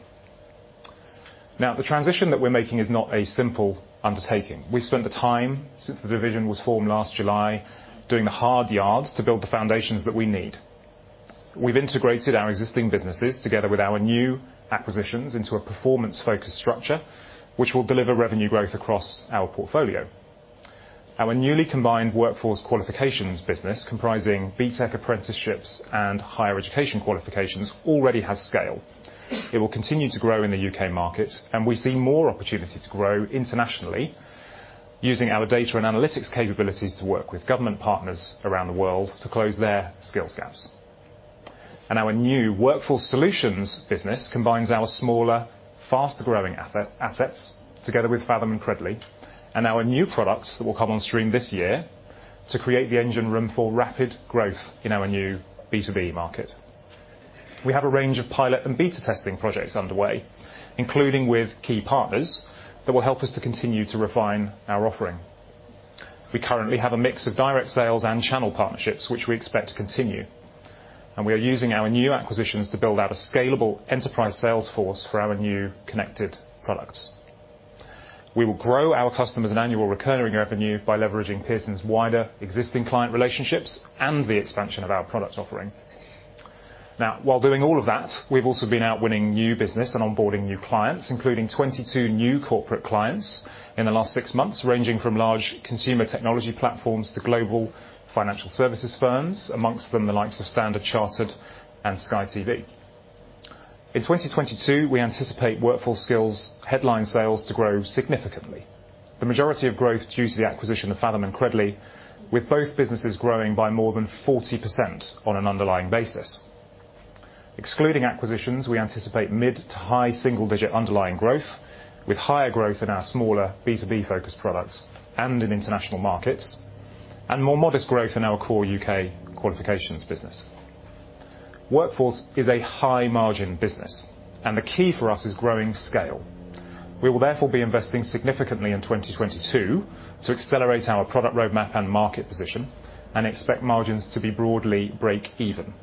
Speaker 9: Now, the transition that we're making is not a simple undertaking. We've spent the time since the division was formed last July doing the hard yards to build the foundations that we need. We've integrated our existing businesses, together with our new acquisitions, into a performance-focused structure, which will deliver revenue growth across our portfolio. Our newly combined Workforce Qualifications business, comprising BTEC Apprenticeships and Higher Education qualifications, already has scale. It will continue to grow in the U.K. market, and we see more opportunity to grow internationally using our data and analytics capabilities to work with government partners around the world to close their skills gaps. Our new Workforce Solutions business combines our smaller, faster-growing assets, together with Faethm and Credly, and our new products that will come on stream this year to create the engine room for rapid growth in our new B2B market. We have a range of pilot and beta testing projects underway, including with key partners that will help us to continue to refine our offering. We currently have a mix of direct sales and channel partnerships, which we expect to continue, and we are using our new acquisitions to build out a scalable enterprise sales force for our new connected products. We will grow our customers and annual recurring revenue by leveraging Pearson's wider existing client relationships and the expansion of our product offering. Now, while doing all of that, we've also been out winning new business and onboarding new clients, including 22 new corporate clients in the last six months, ranging from large consumer technology platforms to global financial services firms, among them the likes of Standard Chartered and Sky TV. In 2022, we anticipate Workforce Skills headline sales to grow significantly. The majority of growth due to the acquisition of Faethm and Credly, with both businesses growing by more than 40% on an underlying basis. Excluding acquisitions, we anticipate mid- to high-single-digit underlying growth, with higher growth in our smaller B2B-focused products and in international markets, and more modest growth in our core U.K. qualifications business. Workforce is a high-margin business, and the key for us is growing scale. We will therefore be investing significantly in 2022 to accelerate our product roadmap and market position and expect margins to be broadly break even.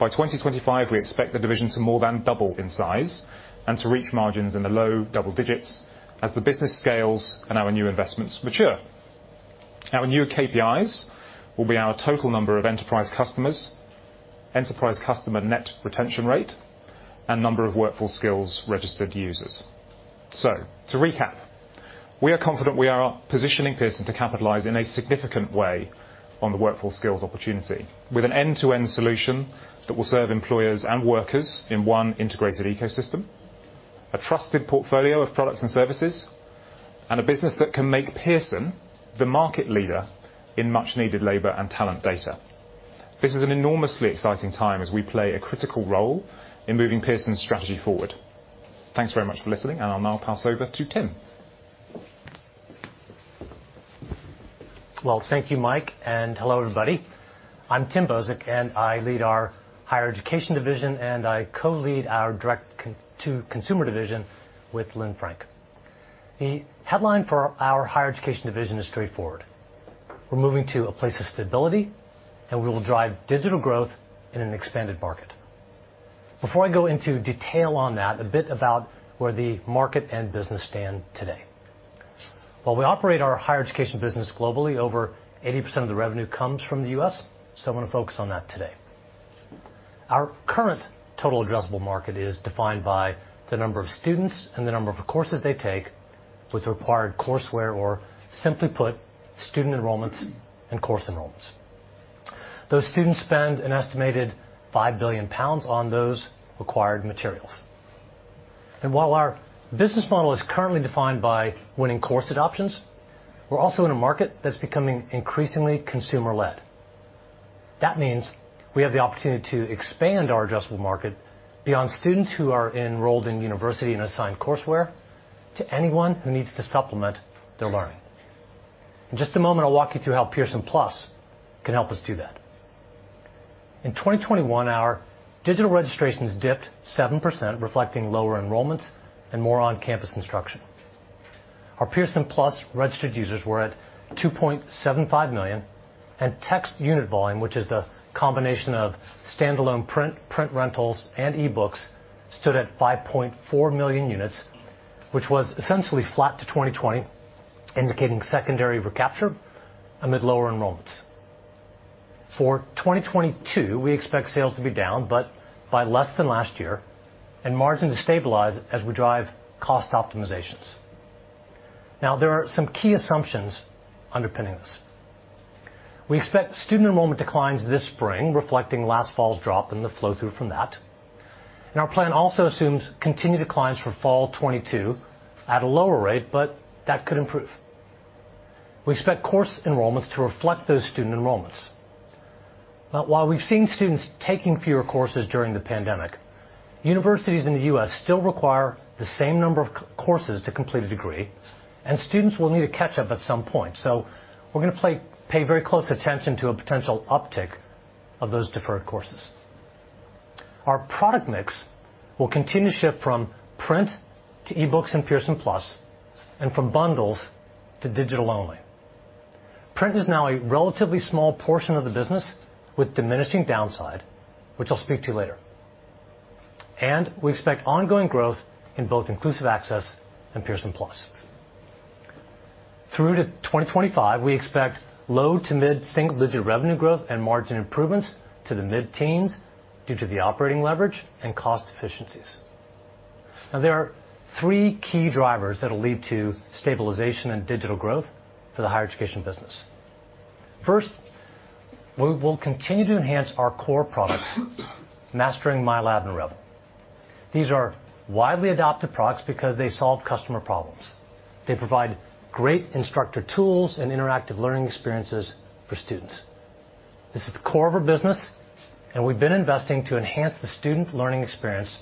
Speaker 9: By 2025, we expect the division to more than double in size and to reach margins in the low double digits as the business scales and our new investments mature. Our new KPIs will be our total number of enterprise customers, enterprise customer net retention rate, and number of Workforce Skills registered users. To recap, we are confident we are positioning Pearson to capitalize in a significant way on the Workforce Skills opportunity with an end-to-end solution that will serve employers and workers in one integrated ecosystem, a trusted portfolio of products and services, and a business that can make Pearson the market leader in much-needed labor and talent data. This is an enormously exciting time as we play a critical role in moving Pearson's strategy forward. Thanks very much for listening, and I'll now pass over to Tim.
Speaker 10: Well, thank you, Mike, and hello, everybody. I'm Tim Bozik, and I lead our Higher Education division, and I co-lead our Direct-to-Consumer division with Lynne Frank. The headline for our Higher Education division is straightforward. We're moving to a place of stability, and we will drive digital growth in an expanded market. Before I go into detail on that, a bit about where the market and business stand today. While we operate our Higher Education business globally, over 80% of the revenue comes from the U.S., so I'm gonna focus on that today. Our current total addressable market is defined by the number of students and the number of courses they take with the required courseware or, simply put, student enrollments and course enrollments. Those students spend an estimated 5 billion pounds on those required materials. While our business model is currently defined by winning course adoptions, we're also in a market that's becoming increasingly consumer-led. That means we have the opportunity to expand our addressable market beyond students who are enrolled in university and assigned courseware to anyone who needs to supplement their learning. In just a moment, I'll walk you through how Pearson+ can help us do that. In 2021, our digital registrations dipped 7%, reflecting lower enrollments and more on-campus instruction. Our Pearson+ registered users were at 2.75 million, and text unit volume, which is the combination of standalone print rentals, and e-books, stood at 5.4 million units, which was essentially flat to 2020, indicating secondary recapture amid lower enrollments. For 2022, we expect sales to be down, but by less than last year, and margin to stabilize as we drive cost optimizations. Now, there are some key assumptions underpinning this. We expect student enrollment declines this spring, reflecting last fall's drop and the flow-through from that. Our plan also assumes continued declines for fall 2022 at a lower rate, but that could improve. We expect course enrollments to reflect those student enrollments. While we've seen students taking fewer courses during the pandemic, universities in the U.S. still require the same number of courses to complete a degree, and students will need to catch up at some point. We're gonna pay very close attention to a potential uptick of those deferred courses. Our product mix will continue to shift from print to e-books and Pearson+ and from bundles to digital only. Print is now a relatively small portion of the business with diminishing downside, which I'll speak to later. We expect ongoing growth in both Inclusive Access and Pearson+. Through to 2025, we expect low- to mid-single-digit revenue growth and margin improvements to the mid-teens due to the operating leverage and cost efficiencies. Now there are three key drivers that'll lead to stabilization and digital growth for the Higher Education business. First, we will continue to enhance our core products, Mastering, MyLab and Revel. These are widely adopted products because they solve customer problems. They provide great instructor tools and interactive learning experiences for students. This is the core of our business, and we've been investing to enhance the student learning experience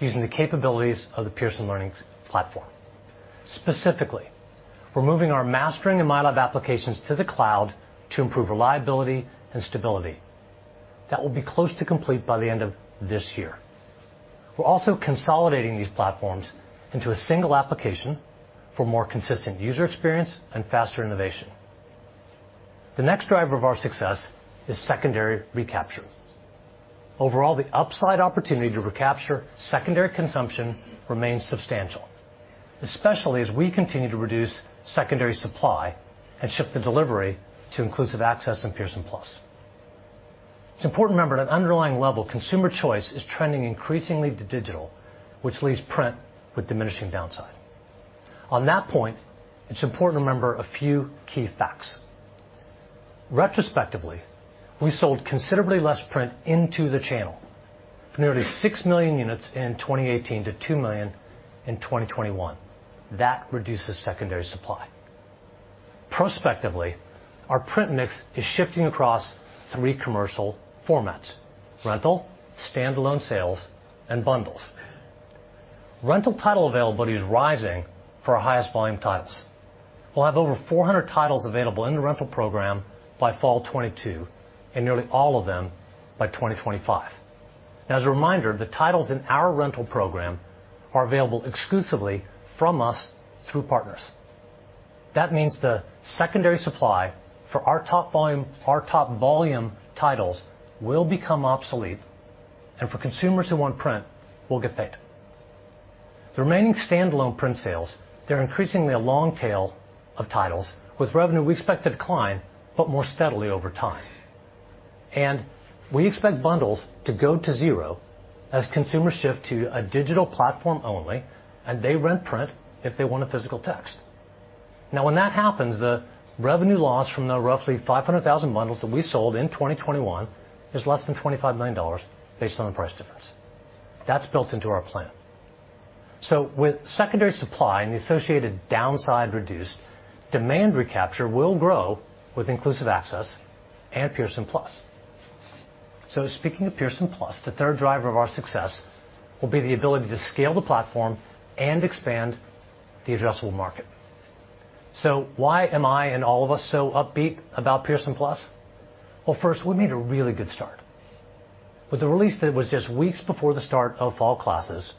Speaker 10: using the capabilities of the Pearson learning platform. Specifically, we're moving our Mastering and MyLab applications to the cloud to improve reliability and stability. That will be close to complete by the end of this year. We're also consolidating these platforms into a single application for more consistent user experience and faster innovation. The next driver of our success is secondary recapture. Overall, the upside opportunity to recapture secondary consumption remains substantial, especially as we continue to reduce secondary supply and shift the delivery to Inclusive Access and Pearson+. It's important to remember at an underlying level, consumer choice is trending increasingly to digital, which leaves print with diminishing downside. On that point, it's important to remember a few key facts. Retrospectively, we sold considerably less print into the channel. Nearly 6 million units in 2018 to 2 million in 2021. That reduces secondary supply. Prospectively, our print mix is shifting across three commercial formats. Rental, standalone sales, and bundles. Rental title availability is rising for our highest-volume titles. We'll have over 400 titles available in the rental program by fall 2022, and nearly all of them by 2025. As a reminder, the titles in our rental program are available exclusively from us through partners. That means the secondary supply for our top volume titles will become obsolete, and for consumers who want print, we'll get paid. The remaining standalone print sales, they're increasingly a long tail of titles with revenue we expect to decline, but more steadily over time. We expect bundles to go to zero as consumers shift to a digital platform only and they rent print if they want a physical text. Now when that happens, the revenue loss from the roughly 500,000 bundles that we sold in 2021 is less than $25 million based on the price difference. That's built into our plan. With secondary supply and the associated downside reduced, demand recapture will grow with Inclusive Access and Pearson+. Speaking of Pearson+, the third driver of our success will be the ability to scale the platform and expand the addressable market. Why am I and all of us so upbeat about Pearson+? Well, first, we made a really good start. With a release that was just weeks before the start of fall classes,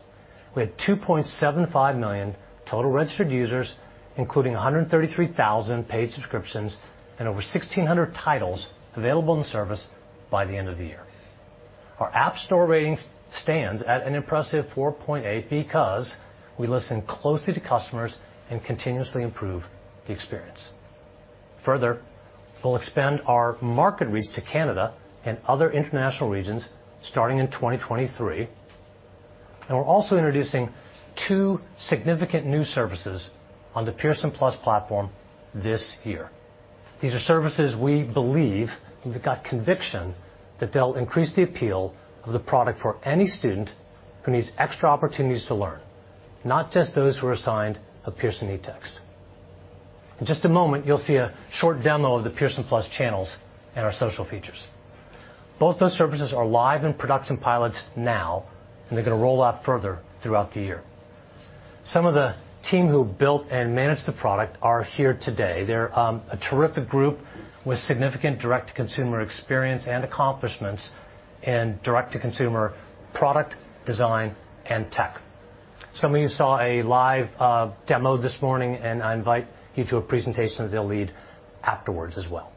Speaker 10: we had 2.75 million total registered users, including 133,000 paid subscriptions and over 1,600 titles available in the service by the end of the year. Our App Store rating stands at an impressive 4.8 because we listen closely to customers and continuously improve the experience. Further, we'll expand our market reach to Canada and other international regions starting in 2023. We're also introducing two significant new services on the Pearson+ platform this year. These are services we believe, we've got conviction, that they'll increase the appeal of the product for any student who needs extra opportunities to learn, not just those who are assigned a Pearson eText. In just a moment, you'll see a short demo of the Pearson+ Channels and our social features. Both those services are live in production pilots now, and they're gonna roll out further throughout the year. Some of the team who built and manage the product are here today. They're a terrific group with significant direct-to-consumer experience and accomplishments in direct-to-consumer product design and tech. Some of you saw a live demo this morning, and I invite you to a presentation they'll lead afterwards as well.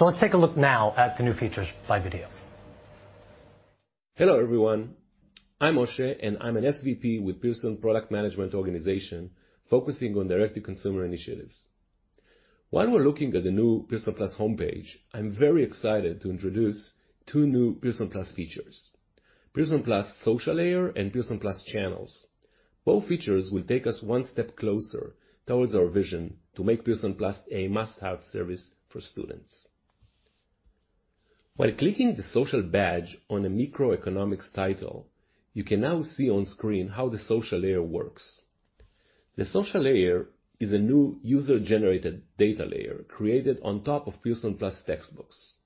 Speaker 10: Let's take a look now at the new features by video.
Speaker 3: Hello, everyone. I'm Osher, and I'm an SVP with Pearson Product Management Organization, focusing on direct-to-consumer initiatives. While we're looking at the new Pearson+ homepage, I'm very excited to introduce two new Pearson+ features, Pearson+ Social Layer and Pearson+ Channels. Both features will take us one step closer towards our vision to make Pearson+ a must-have service for students. By clicking the social badge on a microeconomics title, you can now see on screen how the social layer works. The social layer is a new user-generated data layer created on top of Pearson+ textbooks.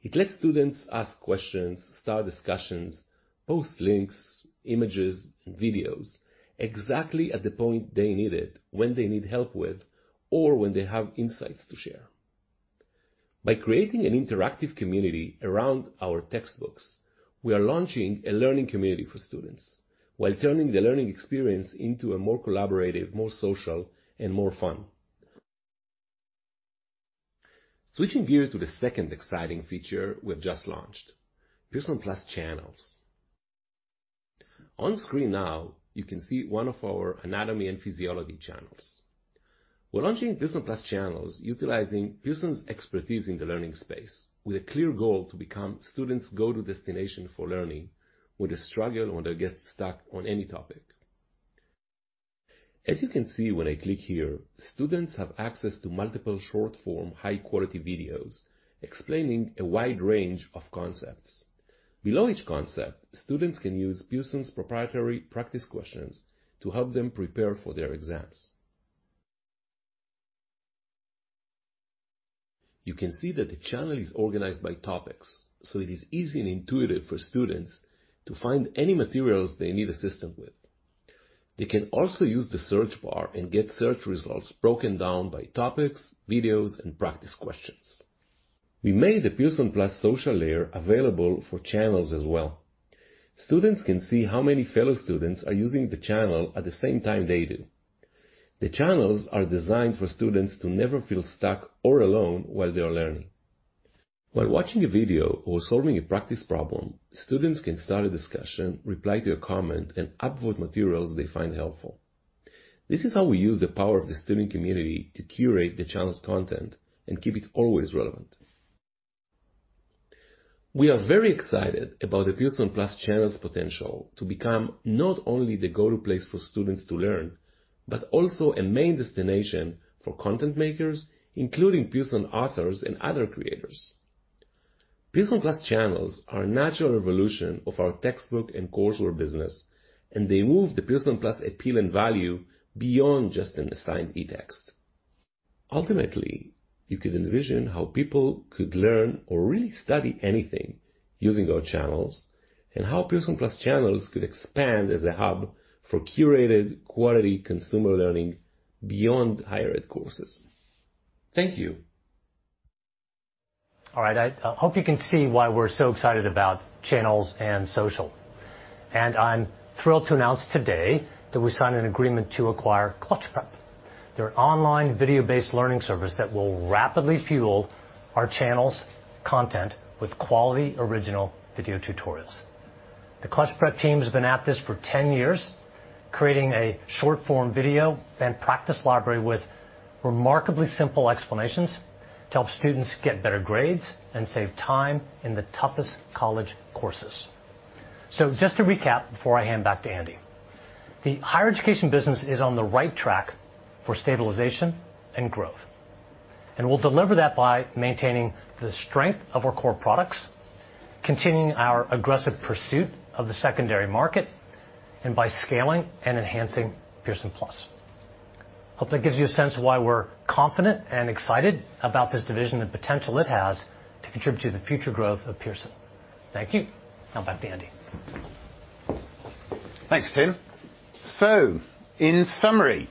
Speaker 3: It lets students ask questions, start discussions, post links, images, and videos exactly at the point they need it, when they need help with, or when they have insights to share. By creating an interactive community around our textbooks, we are launching a learning community for students while turning the learning experience into a more collaborative, more social, and more fun. Switching gears to the second exciting feature we've just launched, Pearson+ Channels. On screen now, you can see one of our anatomy and physiology channels. We're launching Pearson+ Channels utilizing Pearson's expertise in the learning space with a clear goal to become students' go-to destination for learning when they struggle or they get stuck on any topic. As you can see when I click here, students have access to multiple short-form, high-quality videos explaining a wide range of concepts. Below each concept, students can use Pearson's proprietary practice questions to help them prepare for their exams. You can see that the channel is organized by topics, so it is easy and intuitive for students to find any materials they need assistance with. They can also use the search bar and get search results broken down by topics, videos, and practice questions. We made the Pearson+ Social Layer available for Channels as well. Students can see how many fellow students are using the channel at the same time they do. The channels are designed for students to never feel stuck or alone while they are learning. While watching a video or solving a practice problem, students can start a discussion, reply to a comment, and upvote materials they find helpful. This is how we use the power of the student community to curate the channel's content and keep it always relevant. We are very excited about the Pearson+ Channels' potential to become not only the go-to place for students to learn, but also a main destination for content makers, including Pearson authors and other creators. Pearson+ Channels are a natural evolution of our textbook and courseware business, and they move the Pearson+ appeal and value beyond just an assigned eText. Ultimately, you could envision how people could learn or really study anything using our channels and how Pearson+ Channels could expand as a hub for curated quality consumer learning beyond Higher Ed courses. Thank you.
Speaker 10: All right, I hope you can see why we're so excited about Channels and Social. I'm thrilled to announce today that we signed an agreement to acquire Clutch Prep. They're an online video-based learning service that will rapidly fuel our Channels content with quality original video tutorials. The Clutch Prep team has been at this for 10 years, creating a short-form video and practice library with remarkably simple explanations to help students get better grades and save time in the toughest college courses. Just to recap before I hand back to Andy, the Higher Education business is on the right track for stabilization and growth. We'll deliver that by maintaining the strength of our core products, continuing our aggressive pursuit of the secondary market, and by scaling and enhancing Pearson+. Hope that gives you a sense of why we're confident and excited about this division and potential it has to contribute to the future growth of Pearson. Thank you. Now back to Andy.
Speaker 2: Thanks, Tim. In summary,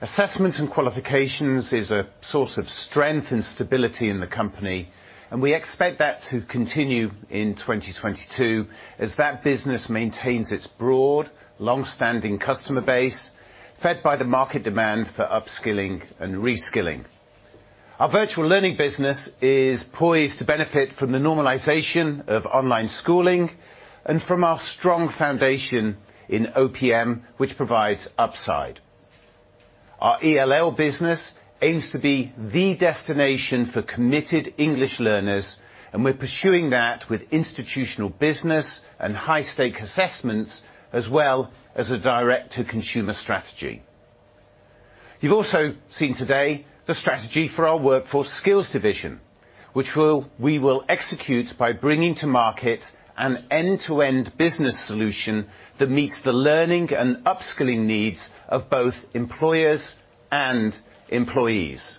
Speaker 2: Assessment & Qualifications is a source of strength and stability in the company, and we expect that to continue in 2022 as that business maintains its broad, long-standing customer base, fed by the market demand for upskilling and reskilling. Our Virtual Learning business is poised to benefit from the normalization of online schooling and from our strong foundation in OPM, which provides upside. Our ELL business aims to be the destination for committed English learners, and we're pursuing that with institutional business and high-stakes assessments, as well as a direct-to-consumer strategy. You've also seen today the strategy for our Workforce Skills division, which will execute by bringing to market an end-to-end business solution that meets the learning and upskilling needs of both employers and employees.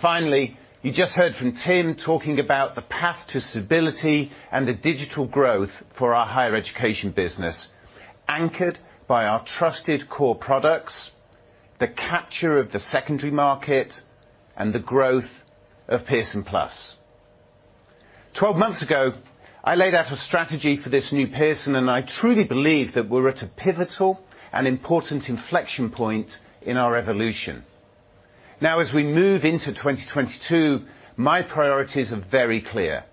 Speaker 2: Finally, you just heard from Tim talking about the path to stability and the digital growth for our Higher Education business, anchored by our trusted core products, the capture of the secondary market, and the growth of Pearson+. 12 months ago, I laid out a strategy for this new Pearson, and I truly believe that we're at a pivotal and important inflection point in our evolution. Now, as we move into 2022, my priorities are very clear.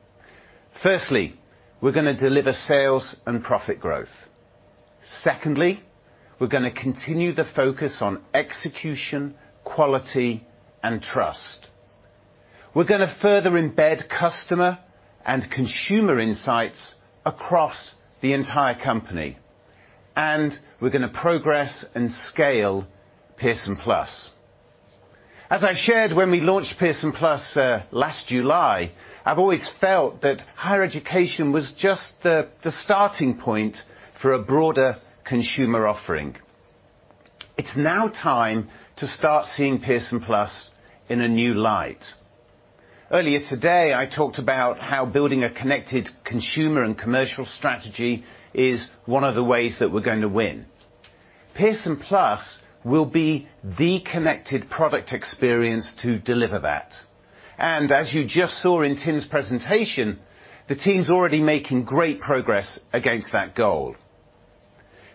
Speaker 2: Firstly, we're gonna deliver sales and profit growth. Secondly, we're gonna continue the focus on execution, quality, and trust. We're gonna further embed customer and consumer insights across the entire company, and we're gonna progress and scale Pearson+. As I shared when we launched Pearson+ last July, I've always felt that Higher Education was just the starting point for a broader consumer offering. It's now time to start seeing Pearson+ in a new light. Earlier today, I talked about how building a connected consumer and commercial strategy is one of the ways that we're going to win. Pearson+ will be the connected product experience to deliver that. As you just saw in Tim's presentation, the team's already making great progress against that goal.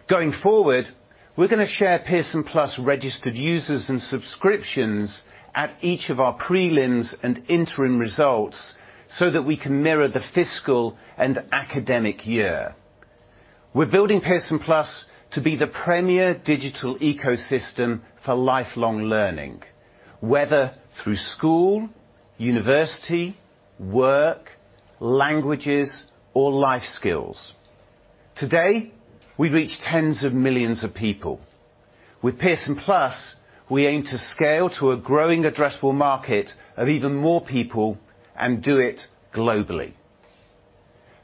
Speaker 2: Going forward, we're gonna share Pearson+ registered users and subscriptions at each of our prelims and interim results so that we can mirror the fiscal and academic year. We're building Pearson+ to be the premier digital ecosystem for lifelong learning, whether through school, university, work, languages, or life skills. Today, we reach tens of millions of people. With Pearson+, we aim to scale to a growing addressable market of even more people and do it globally.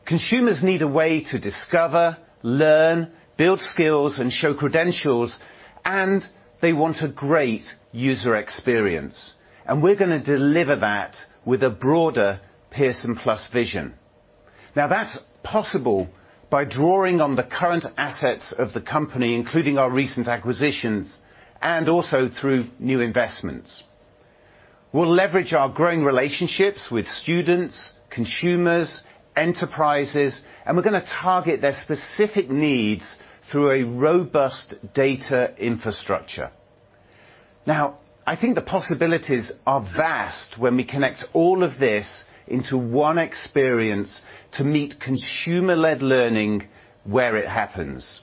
Speaker 2: Consumers need a way to discover, learn, build skills, and show credentials, and they want a great user experience, and we're gonna deliver that with a broader Pearson+ vision. Now that's possible by drawing on the current assets of the company, including our recent acquisitions, and also through new investments. We'll leverage our growing relationships with students, consumers, enterprises, and we're gonna target their specific needs through a robust data infrastructure. Now, I think the possibilities are vast when we connect all of this into one experience to meet consumer-led learning where it happens.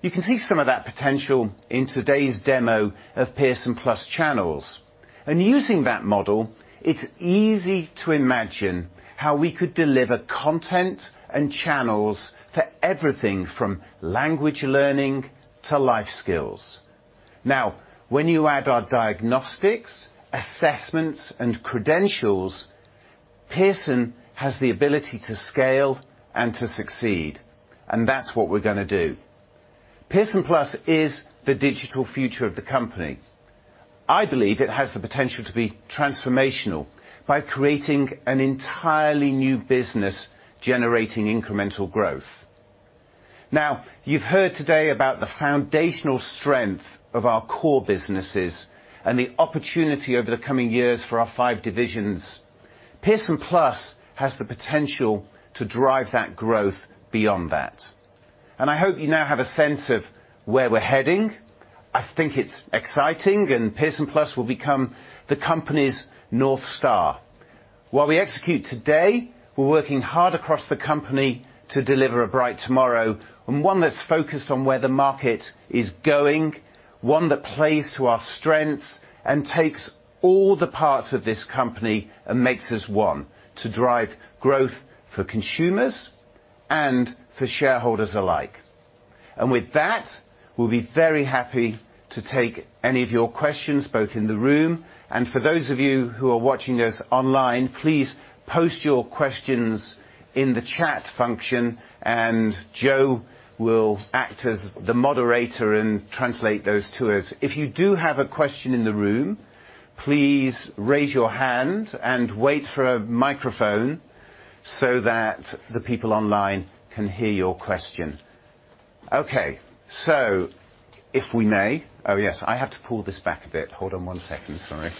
Speaker 2: You can see some of that potential in today's demo of Pearson+ Channels. Using that model, it's easy to imagine how we could deliver content and channels to everything from language learning to life skills. Now, when you add our diagnostics, assessments, and credentials, Pearson has the ability to scale and to succeed, and that's what we're gonna do. Pearson+ is the digital future of the company. I believe it has the potential to be transformational by creating an entirely new business generating incremental growth. Now, you've heard today about the foundational strength of our core businesses and the opportunity over the coming years for our five divisions. Pearson+ has the potential to drive that growth beyond that, and I hope you now have a sense of where we're heading. I think it's exciting, and Pearson+ will become the company's North Star. While we execute today, we're working hard across the company to deliver a bright tomorrow, and one that's focused on where the market is going, one that plays to our strengths and takes all the parts of this company and makes us one to drive growth for consumers and for shareholders alike. With that, we'll be very happy to take any of your questions, both in the room and for those of you who are watching us online, please post your questions in the chat function, and Joe will act as the moderator and translate those to us. If you do have a question in the room, please raise your hand and wait for a microphone so that the people online can hear your question. Okay. If we may, oh yes, I have to pull this back a bit. Hold on one second. Sorry.